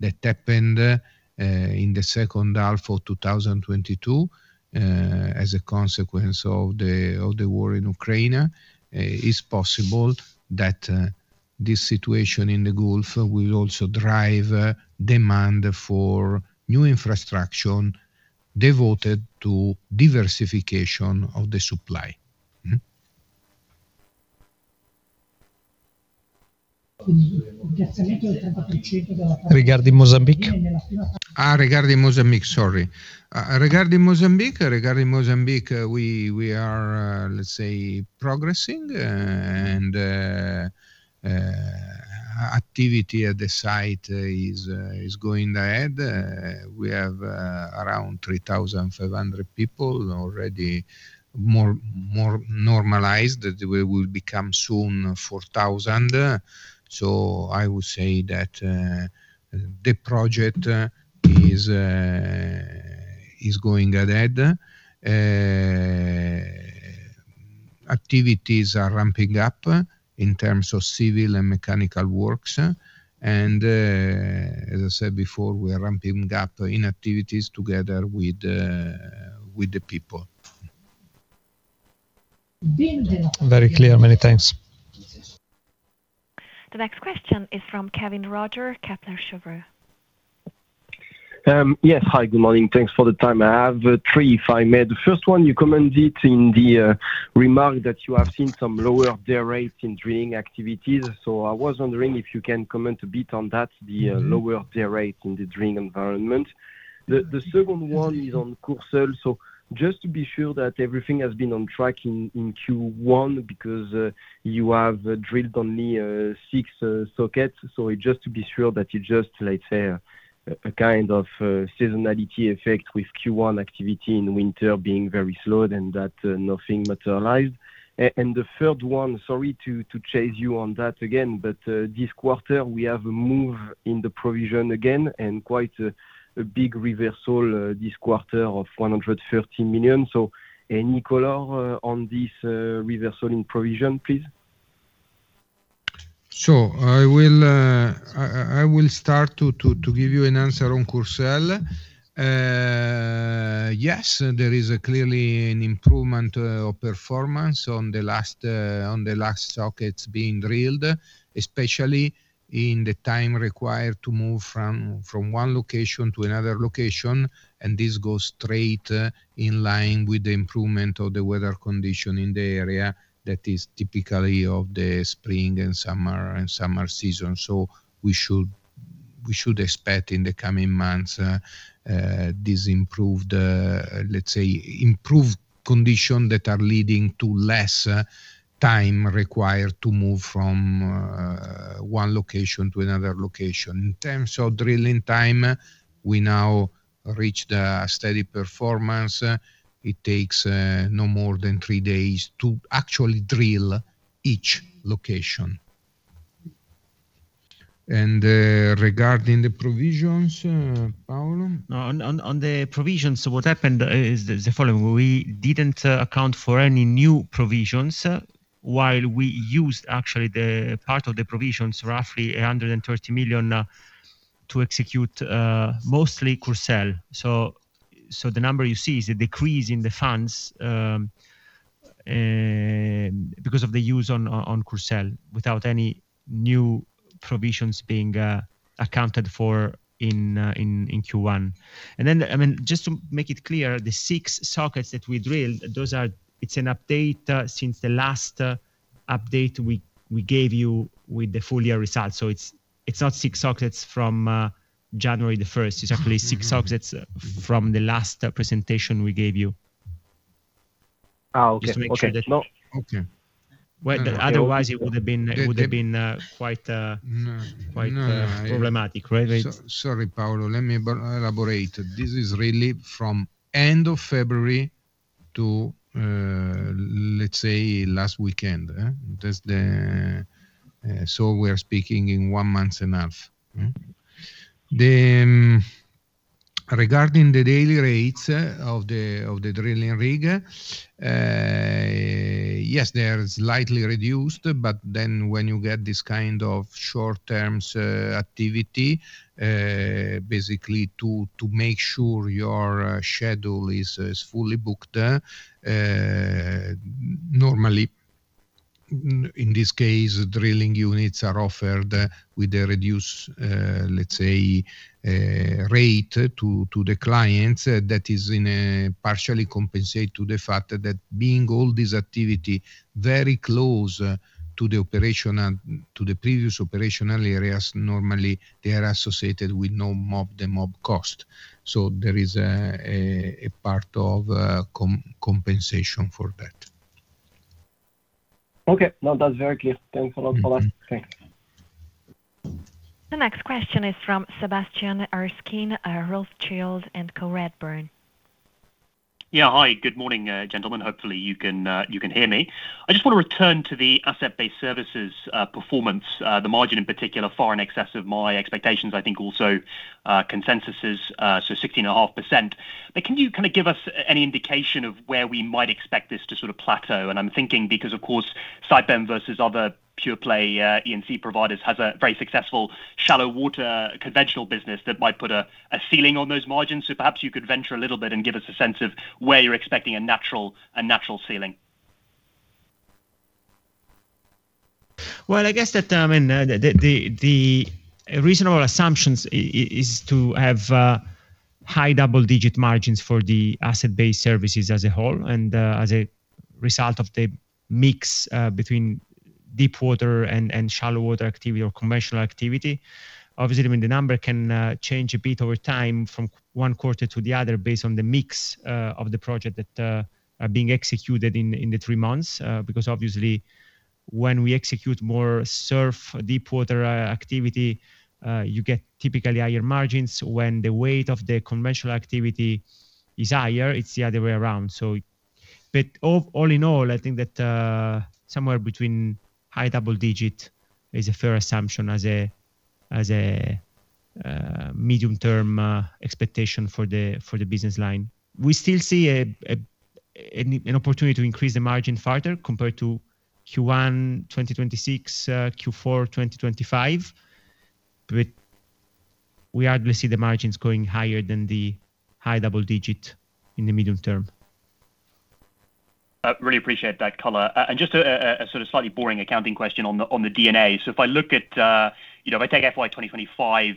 that happened in the second half of 2022, as a consequence of the war in Ukraine. It's possible that this situation in the Gulf will also drive demand for new infrastructure devoted to diversification of the supply. Regarding Mozambique? Regarding Mozambique, we are, let's say, progressing, and activity at the site is going ahead. We have around 3,500 people already more normalized. We will become soon 4,000 people. I would say that the project is going ahead. Activities are ramping up in terms of civil and mechanical works. As I said before, we are ramping up in activities together with the people. Very clear. Many thanks. The next question is from Kévin Roger, Kepler Cheuvreux. Yes. Hi, good morning. Thanks for the time. I have three if I may. The first one, you commented in the remark that you have seen some lower day rates in drilling activities. I was wondering if you can comment a bit on that, the lower day rate in the drilling environment. The second one is on Courseulles. Just to be sure that everything has been on track in Q1 because you have drilled only six sockets. Just to be sure that you just let's say, a kind of seasonality effect with Q1 activity in winter being very slow then that nothing materialized. The third one, sorry to chase you on that again, but this quarter we have a move in the provision again and quite a big reversal this quarter of 130 million. Any color on this reversal in provision, please? Sure. I will start to give you an answer on Courseulles. Yes, there is clearly an improvement of performance on the last sockets being drilled, especially in the time required to move from one location to another location, and this goes straight in line with the improvement of the weather condition in the area that is typically of the spring and summer season. We should expect in the coming months, these improved, let's say, improved condition that are leading to less time required to move from one location to another location. In terms of drilling time, we now reached a steady performance. It takes no more than three days to actually drill each location. Regarding the provisions, Paolo? On the provisions, what happened is the following. We didn't account for any new provisions while we used actually the part of the provisions, roughly 130 million, to execute, mostly Courseulles. The number you see is a decrease in the funds, because of the use on Courseulles without any new provisions being accounted for in Q1. Just to make it clear, the six sockets that we drilled, it's an update since the last update we gave you with the full year results. It's not six sockets from January the 1st. It's actually six sockets from the last presentation we gave you. Oh, okay. Otherwise, it would have been quite problematic, right? Sorry, Paolo, let me elaborate. This is really from end of February to, let's say, last weekend. We are speaking in one and a half months. Regarding the daily rates of the drilling rig. Yes, they are slightly reduced, but when you get this kind of short-term activity, basically to make sure your schedule is fully booked, normally, in this case, drilling units are offered with a reduced, let's say, rate to the clients that is partially compensated for the fact that all this activity being very close to the previous operational areas, normally they are associated with no mob-to-mob cost. There is a part of compensation for that. Okay. No, that's very clear. Thanks a lot, Paolo. Thanks. The next question is from Sebastian Erskine, Rothschild & Co Redburn. Yeah. Hi, good morning, gentlemen. Hopefully, you can hear me. I just want to return to the asset-based services performance. The margin in particular far in excess of my expectations, I think also consensuses, so 16.5%. Can you kind of give us any indication of where we might expect this to sort of plateau? I'm thinking because, of course, Saipem versus other pure play E&C providers has a very successful shallow water conventional business that might put a ceiling on those margins. Perhaps you could venture a little bit and give us a sense of where you're expecting a natural ceiling. Well, I guess that, the reasonable assumptions is to have high double-digit margins for the asset-based services as a whole, and as a result of the mix between deep water and shallow water activity or conventional activity. Obviously, the number can change a bit over time from one quarter to the other based on the mix of the project that are being executed in the three months. Because obviously when we execute more SURF, deep water activity, you get typically higher margins. When the weight of the conventional activity is higher, it's the other way around. All in all, I think that somewhere between high double digit is a fair assumption as a medium term expectation for the business line. We still see an opportunity to increase the margin further compared to Q1 2026, Q4 2025. We hardly see the margins going higher than the high double digit in the medium term. I really appreciate that color. Just a sort of slightly boring accounting question on the D&A. If I take FY 2025,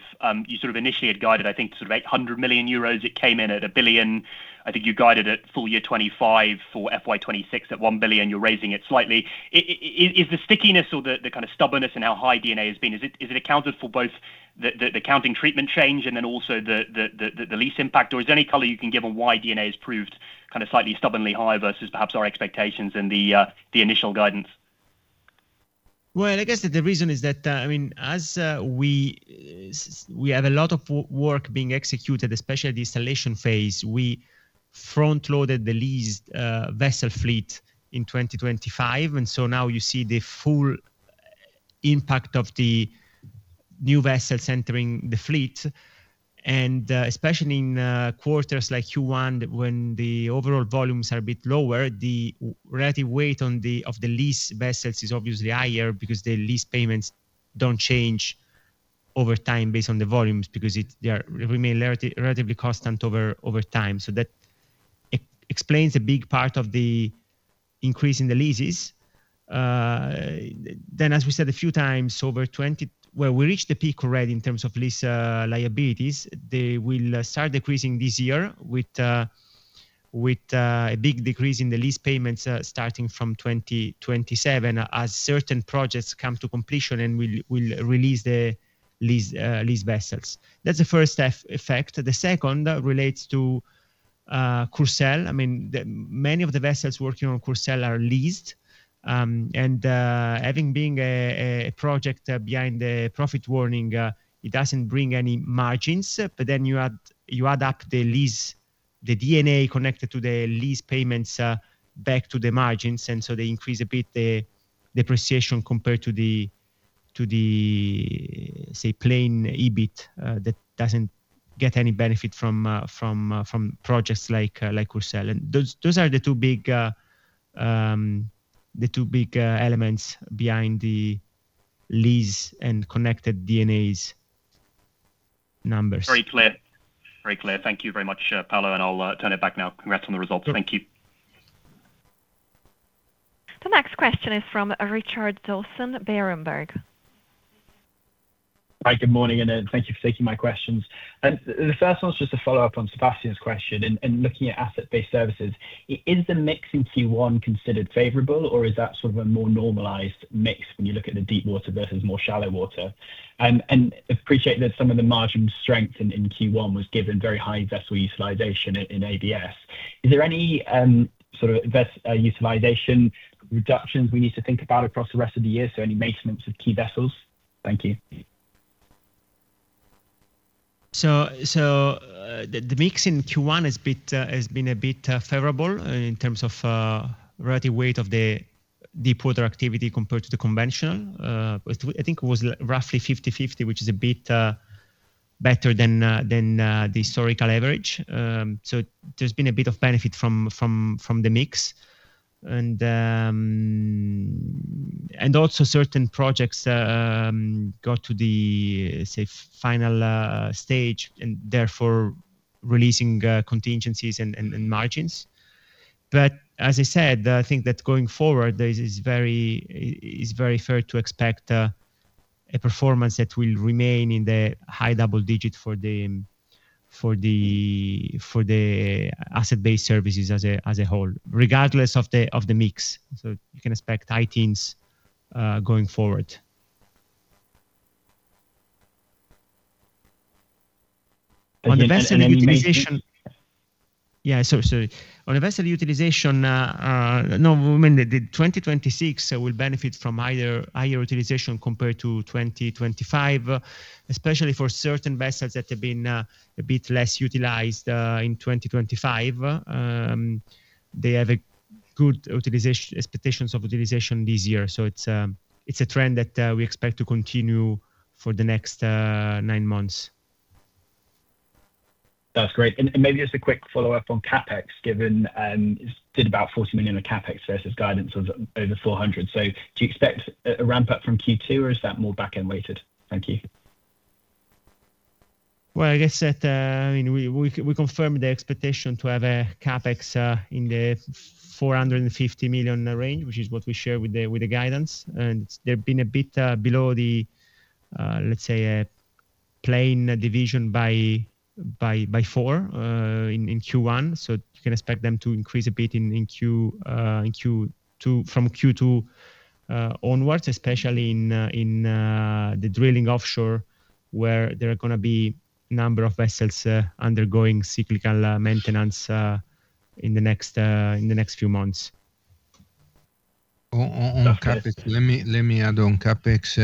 you sort of initially had guided, I think sort of 800 million euros. It came in at 1 billion. I think you guided at full year 2025 for FY 2026 at 1 billion. You're raising it slightly. Is the stickiness or the kind of stubbornness in how high D&A has been, is it accounted for both the accounting treatment change and then also the lease impact, or is there any color you can give on why D&A has proved kind of slightly stubbornly high versus perhaps our expectations and the initial guidance? Well, I guess the reason is that, as we have a lot of work being executed, especially at the installation phase, we front-loaded the leased vessel fleet in 2025, and so now you see the full impact of the new vessels entering the fleet. Especially in quarters like Q1, when the overall volumes are a bit lower, the relative weight of the leased vessels is obviously higher because the lease payments don't change over time based on the volumes because they remain relatively constant over time. That explains a big part of the increase in the leases. As we said a few times, well, we reached the peak already in terms of lease liabilities. They will start decreasing this year with a big decrease in the lease payments, starting from 2027 as certain projects come to completion and we'll release the leased vessels. That's the first effect. The second relates to Courseulles. Many of the vessels working on Courseulles are leased, and having been a project behind the profit warning, it doesn't bring any margins. You add up the D&A connected to the lease payments back to the margins, and so they increase a bit the depreciation compared to the, say, plain EBIT that doesn't get any benefit from projects like Courseulles. Those are the two big elements behind the lease and connected D&A numbers. Very clear. Thank you very much, Paolo, and I'll turn it back now. Congrats on the results. Thank you. The next question is from Richard Dawson, Berenberg. Hi, good morning, and thank you for taking my questions. The first one is just a follow-up on Sebastian's question and looking at asset-based services. Is the mix in Q1 considered favorable, or is that sort of a more normalized mix when you look at the deep water versus more shallow water? I appreciate that some of the margin strength in Q1 was given very high vessel utilization in ABS. Is there any sort of utilization reductions we need to think about across the rest of the year? Any maintenance of key vessels? Thank you. The mix in Q1 has been a bit favorable in terms of relative weight of the deepwater activity compared to the conventional. I think it was roughly 50/50, which is a bit better than the historical average. There's been a bit of benefit from the mix, and also certain projects got to the, say, final stage and therefore releasing contingencies and margins. But as I said, I think that going forward, it's very fair to expect a performance that will remain in the high double digit for the asset-based services as a whole, regardless of the mix. You can expect high teens going forward. On the vessel utilization, yeah, sorry. On vessel utilization, no movement. The 2026 will benefit from higher utilization compared to 2025, especially for certain vessels that have been a bit less utilized, in 2025. They have good expectations of utilization this year. It's a trend that we expect to continue for the next nine months. That's great. Maybe just a quick follow-up on CapEx, given it did about 40 million of CapEx versus guidance of over 400 million. Do you expect a ramp-up from Q2 or is that more back-end weighted? Thank you. Well, I guess that we confirmed the expectation to have a CapEx in the 450 million range, which is what we share with the guidance. They've been a bit below the, let's say, a plain division by four in Q1. You can expect them to increase a bit from Q2 onwards, especially in the drilling offshore where there are going to be a number of vessels undergoing cyclical maintenance in the next few months. On CapEx. Let me add on CapEx.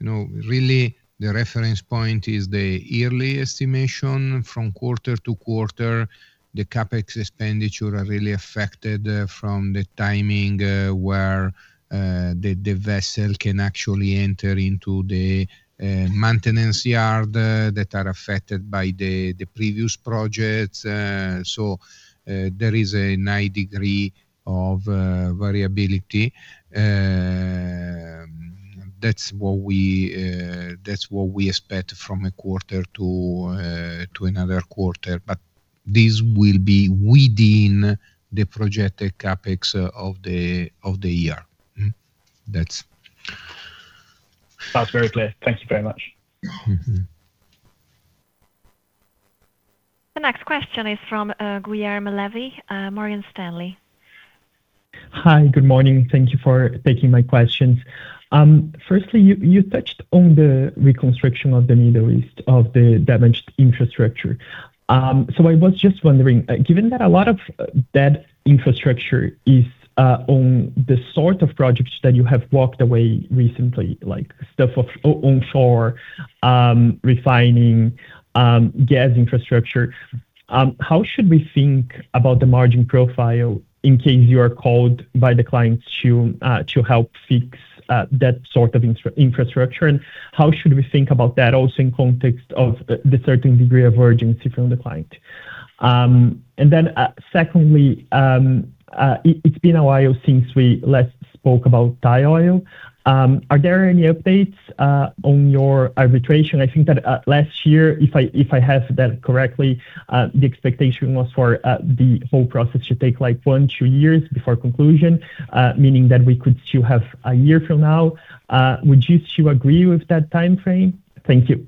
Really, the reference point is the yearly estimation from quarter to quarter. The CapEx expenditure are really affected from the timing, where the vessel can actually enter into the maintenance yard that are affected by the previous projects. There is a high degree of variability. That's what we expect from a quarter to another quarter, but this will be within the projected CapEx of the year. That's very clear. Thank you very much. Mm-hmm. The next question is from Guilherme Levy, Morgan Stanley. Hi. Good morning. Thank you for taking my questions. Firstly, you touched on the reconstruction in the Middle East of the damaged infrastructure. I was just wondering, given that a lot of that infrastructure is on the sort of projects that you have walked away recently, like stuff on shore, refining, gas infrastructure, how should we think about the margin profile in case you are called by the clients to help fix that sort of infrastructure? How should we think about that also in context of the certain degree of urgency from the client? Secondly, it's been a while since we last spoke about Thai Oil. Are there any updates on your arbitration? I think that last year, if I have that correctly, the expectation was for the whole process to take 1-2 years before conclusion, meaning that we could still have a year from now. Would you still agree with that timeframe? Thank you.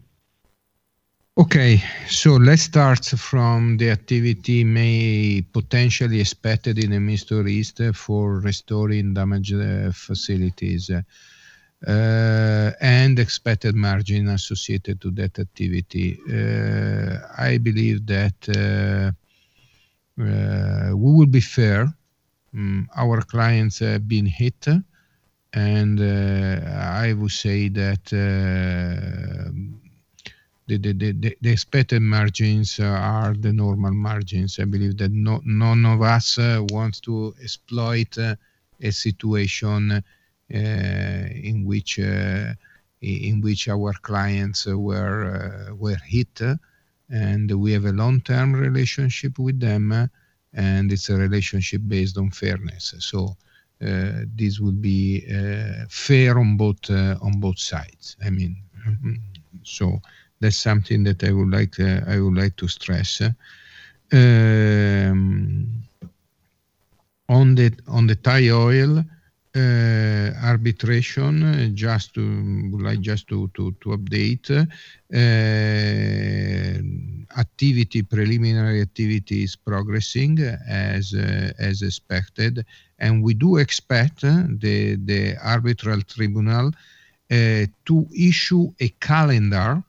Okay. Let's start with the activity that may potentially be expected in the Middle East for restoring damaged facilities, and expected margin associated to that activity. I believe that we will be fair. Our clients have been hit, and I would say that the expected margins are the normal margins. I believe that none of us wants to exploit a situation in which our clients were hit, and we have a long-term relationship with them, and it's a relationship based on fairness. This would be fair on both sides. That's something that I would like to stress. On the Thai Oil arbitration, I would like just to update. Preliminary activity is progressing as expected, and we do expect the arbitral tribunal to issue a calendar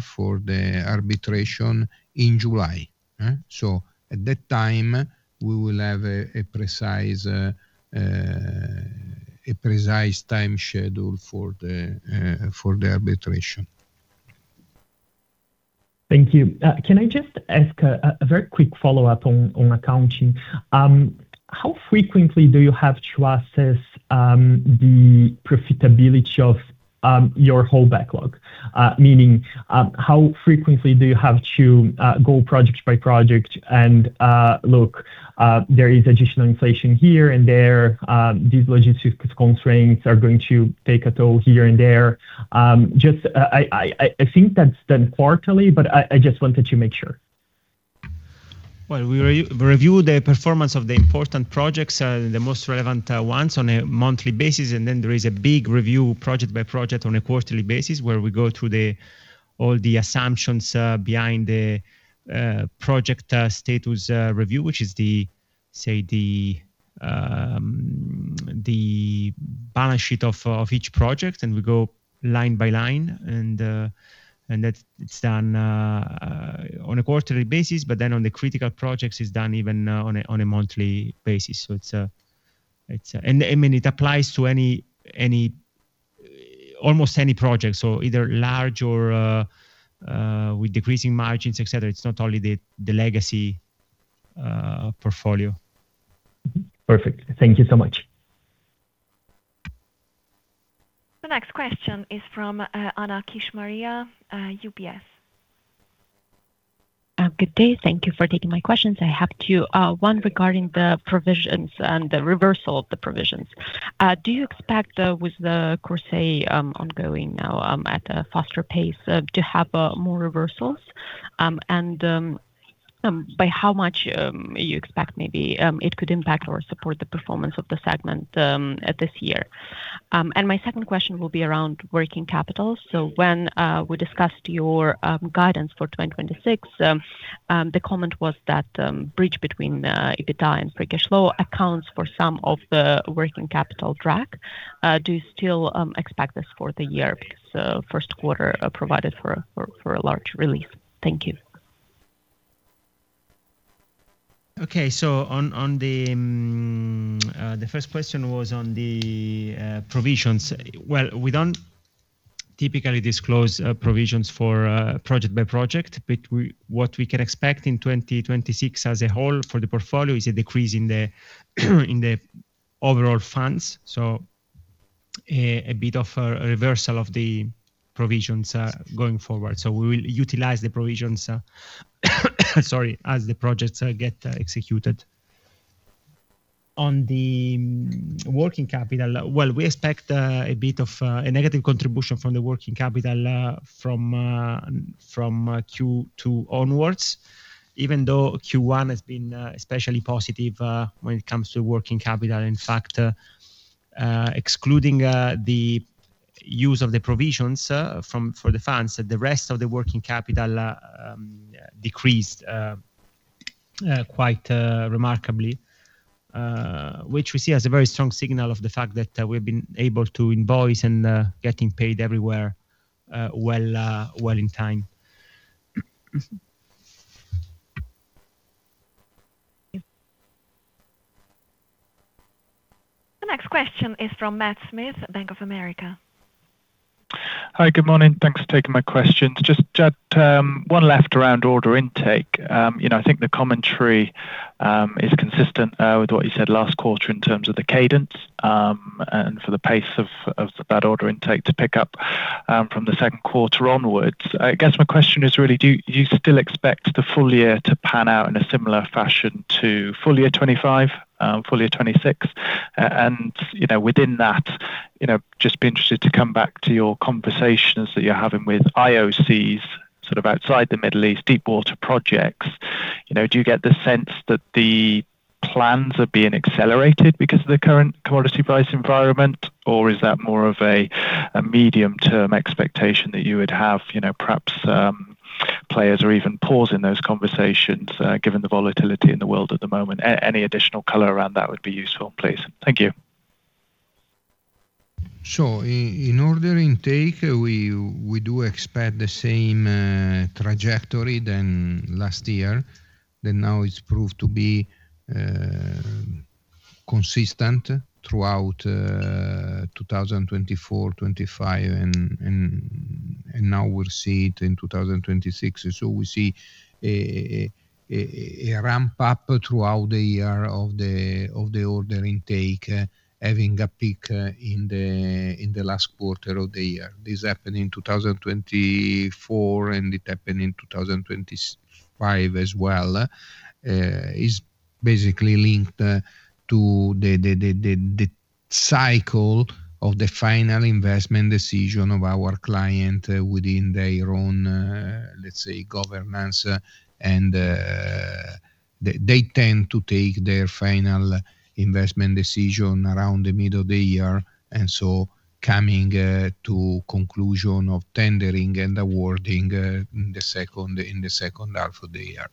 for the arbitration in July. At that time, we will have a precise time schedule for the arbitration. Thank you. Can I just ask a very quick follow-up on accounting? How frequently do you have to assess the profitability of your whole backlog? Meaning, how frequently do you have to go project by project and look, there is additional inflation here and there, these logistics constraints are going to take a toll here and there. I think that's done quarterly, but I just wanted to make sure. Well, we review the performance of the important projects, the most relevant ones on a monthly basis, and then there is a big review project by project on a quarterly basis where we go through all the assumptions behind the project status review, which is the balance sheet of each project, and we go line by line, and that it's done on a quarterly basis. Then on the critical projects, it's done even on a monthly basis. It applies to almost any project. Either large or with decreasing margins, et cetera. It's not only the legacy portfolio. Perfect. Thank you so much. The next question is from Anna Kishmariya, UBS. Good day. Thank you for taking my questions. I have two. One regarding the provisions and the reversal of the provisions. Do you expect with the Courseulles ongoing now at a faster pace, to have more reversals? By how much you expect maybe it could impact or support the performance of the segment this year? My second question will be around working capital. When we discussed your guidance for 2026, the comment was that bridge between EBITDA and free cash flow accounts for some of the working capital drag. Do you still expect this for the year? Because first quarter provided for a large relief. Thank you. Okay. The first question was on the provisions. Well, we don't typically disclose provisions for project by project. What we can expect in 2026 as a whole for the portfolio is a decrease in the overall funds. A bit of a reversal of the provisions going forward. We will utilize the provisions, sorry, as the projects get executed. On the working capital, we expect a bit of a negative contribution from the working capital from Q2 onwards, even though Q1 has been especially positive when it comes to working capital. In fact, excluding the use of the provisions for the funds, the rest of the working capital decreased quite remarkably, which we see as a very strong signal of the fact that we've been able to invoice and getting paid everywhere well in time. The next question is from Matt Smith, Bank of America. Hi, good morning. Thanks for taking my questions. Just one left around order intake. I think the commentary is consistent with what you said last quarter in terms of the cadence, and for the pace of that order intake to pick up from the second quarter onwards. I guess my question is really, do you still expect the full year to pan out in a similar fashion to full year 2025, full year 2026? Within that, I'd just be interested to come back to your conversations that you're having with IOCs sort of outside the Middle East, deep water projects. Do you get the sense that the plans are being accelerated because of the current commodity price environment? Or is that more of a medium term expectation that you would have, perhaps players are even pausing those conversations given the volatility in the world at the moment? Any additional color around that would be useful, please. Thank you. Sure. In order intake, we do expect the same trajectory than last year, that now it's proved to be consistent throughout 2024, 2025, and now we'll see it in 2026. We see a ramp up throughout the year of the order intake, having a peak in the last quarter of the year. This happened in 2024, and it happened in 2025 as well. It's basically linked to the cycle of the final investment decision of our client within their own, let's say, governance. They tend to take their final investment decision around the middle of the year. Coming to conclusion of tendering and awarding in the second half of the year.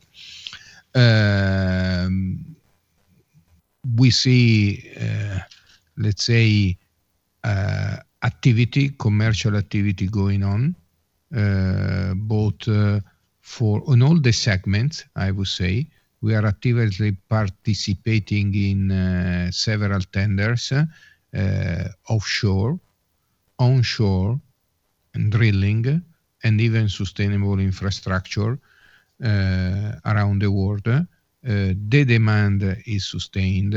We see, let's say, commercial activity going on, both for on all the segments, I would say. We are actively participating in several tenders, offshore, onshore, and drilling, and even sustainable infrastructure around the world. The demand is sustained.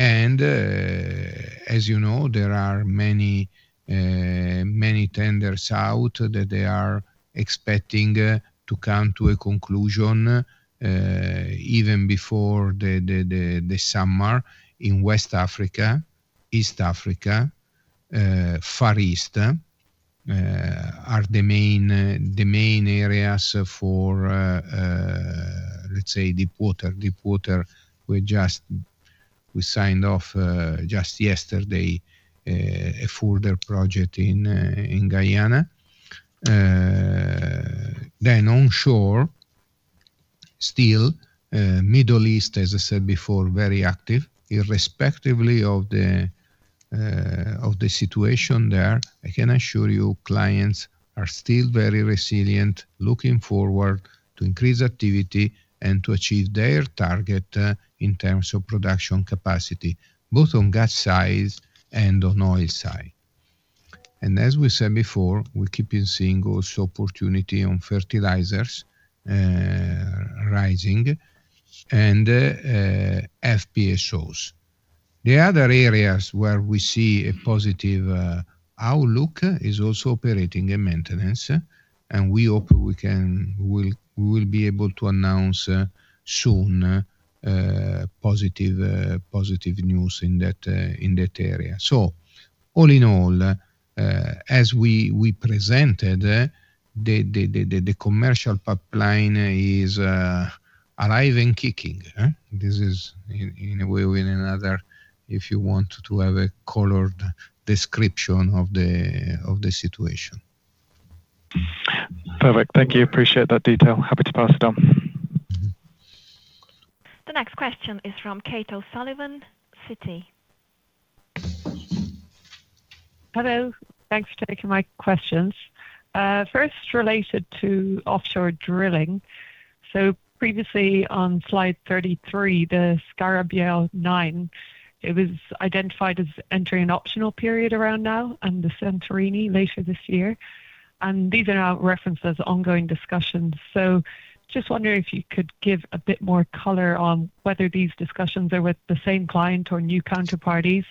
As you know, there are many tenders out that they are expecting to come to a conclusion even before the summer in West Africa, East Africa, Far East, are the main areas for let's say deep water. Deep water, we signed off just yesterday a further project in Guyana. Onshore, still Middle East, as I said before, very active, irrespectively of the situation there. I can assure you clients are still very resilient, looking forward to increase activity and to achieve their target in terms of production capacity, both on gas side and on oil side. As we said before, we're keeping seeing also opportunity on fertilizers rising and FPSOs. The other areas where we see a positive outlook is also operating and maintenance. We hope we will be able to announce soon positive news in that area. All in all, as we presented, the commercial pipeline is alive and kicking. This is in a way or in another, if you want to have a colored description of the situation. Perfect. Thank you. Appreciate that detail. Happy to pass it on. The next question is from Kate O'Sullivan, Citi. Hello. Thanks for taking my questions. First, related to offshore drilling. Previously on slide 33, the Scarabeo 9, it was identified as entering an optional period around now and the Santorini later this year. These are now referenced as ongoing discussions. Just wondering if you could give a bit more color on whether these discussions are with the same client or new counterparties,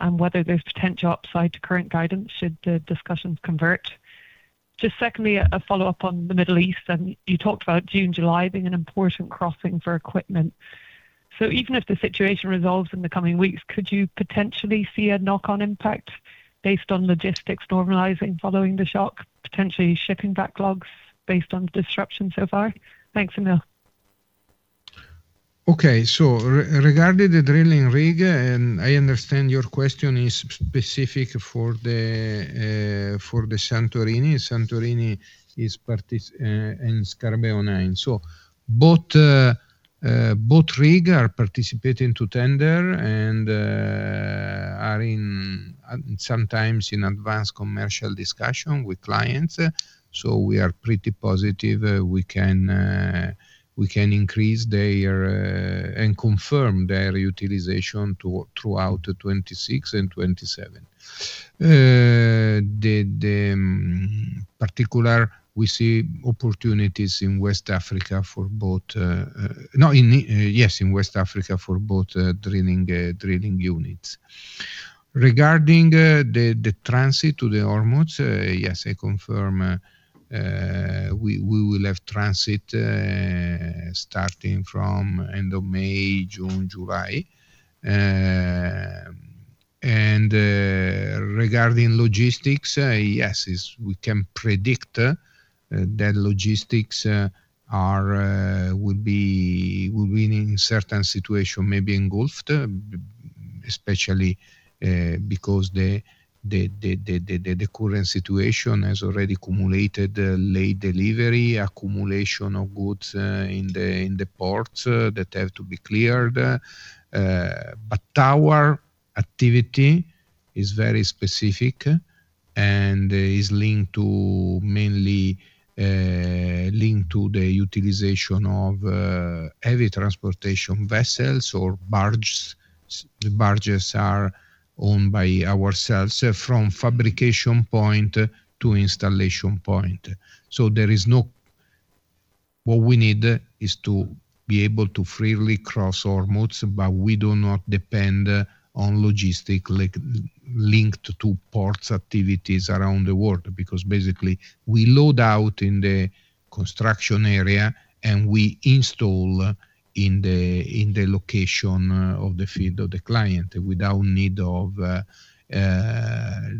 and whether there's potential upside to current guidance should the discussions convert? Just secondly, a follow-up on the Middle East. You talked about June, July being an important crossing for equipment. Even if the situation resolves in the coming weeks, could you potentially see a knock-on impact based on logistics normalizing following the shock, potentially shipping backlogs based on disruption so far? Thanks a lot. Okay. Regarding the drilling rig, and I understand your question is specific for the Santorini. Santorini is participating in Scarabeo 9. Both rig are participating to tender and are sometimes in advanced commercial discussion with clients. We are pretty positive we can increase and confirm their utilization throughout 2026 and 2027. In particular, we see opportunities in West Africa for both drilling units. Regarding the transit to the Hormuz. Yes, I confirm we will have transit starting from end of May, June, July. Regarding logistics, yes, we can predict that logistics will be, in certain situation, maybe engulfed, especially because the current situation has already accumulated late delivery, accumulation of goods in the ports that have to be cleared. But our activity is very specific and is mainly linked to the utilization of heavy transportation vessels or barges. The barges are owned by ourselves from fabrication point to installation point. What we need is to be able to freely cross Hormuz, but we do not depend on logistics linked to ports activities around the world, because basically we load out in the construction area and we install in the location of the field of the client without need of,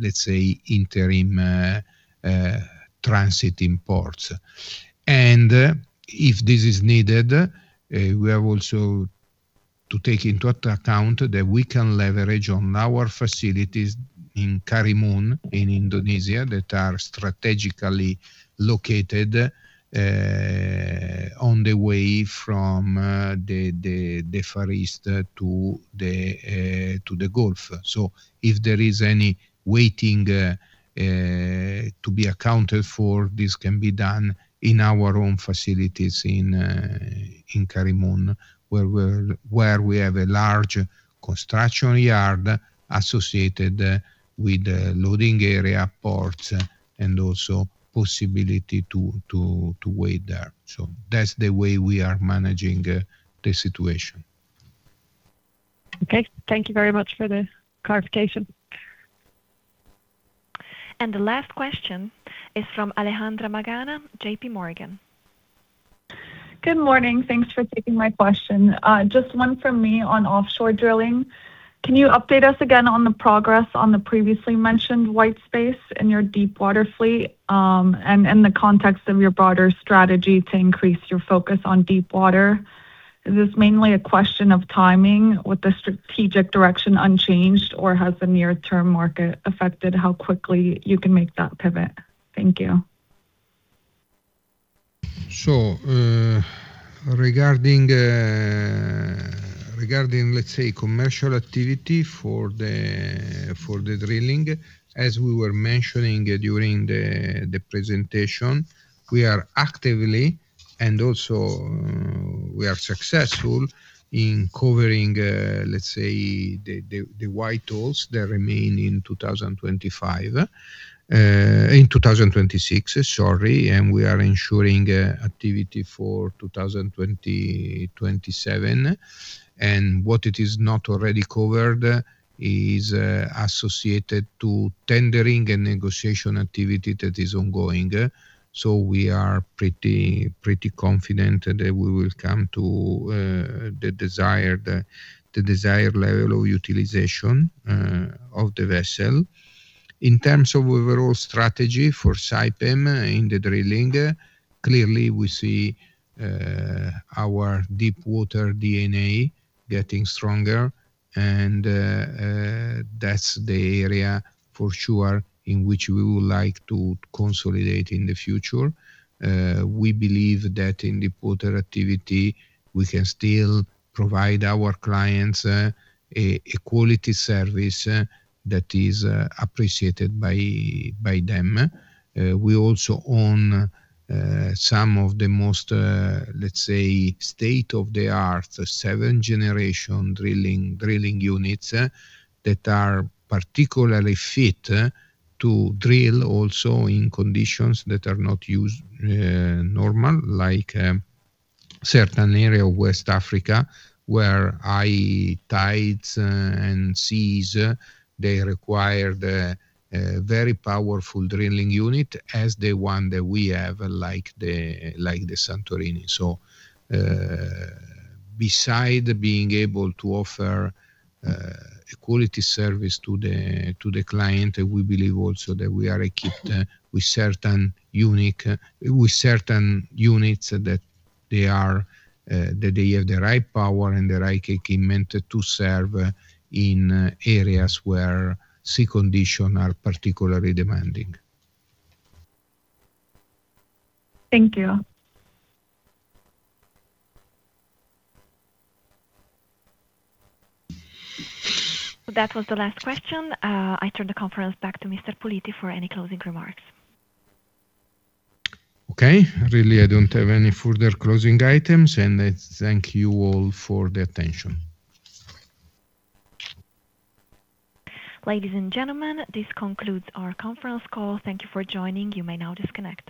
let's say, interim transit in ports. If this is needed, we have also to take into account that we can leverage on our facilities in Karimun, in Indonesia, that are strategically located on the way from the Far East to the Gulf. If there is any waiting to be accounted for, this can be done in our own facilities in Karimun, where we have a large construction yard associated with loading area ports and also possibility to wait there. That's the way we are managing the situation. Okay. Thank you very much for the clarification. The last question is from Alejandra Magana, JPMorgan. Good morning. Thanks for taking my question. Just one from me on offshore drilling. Can you update us again on the progress on the previously mentioned white space in your deep water fleet, and the context of your broader strategy to increase your focus on deep water? Is this mainly a question of timing with the strategic direction unchanged, or has the near term market affected how quickly you can make that pivot? Thank you. Regarding, let's say, commercial activity for the drilling, as we were mentioning during the presentation, we are actively and also we are successful in covering, let's say, the white holes that remain in 2025. In 2026, sorry. We are ensuring activity for 2027. What it is not already covered is associated to tendering a negotiation activity that is ongoing. We are pretty confident that we will come to the desired level of utilization of the vessel. In terms of overall strategy for Saipem in the drilling, clearly we see our deep water DNA getting stronger, and that's the area for sure in which we would like to consolidate in the future. We believe that in deep water activity, we can still provide our clients a quality service that is appreciated by them. We also own some of the most, let's say, state-of-the-art seventh-generation drilling units that are particularly fit to drill also in conditions that are not usual, like certain areas of West Africa where high tides and seas require the very powerful drilling unit as the one that we have, like the Santorini. Besides being able to offer a quality service to the client, we believe also that we are equipped with certain units that they have the right power and the right equipment to serve in areas where sea conditions are particularly demanding. Thank you. That was the last question. I turn the conference back to Mr. Puliti for any closing remarks. Okay. Really, I don't have any further closing items, and I thank you all for the attention. Ladies and gentlemen, this concludes our conference call. Thank you for joining. You may now disconnect.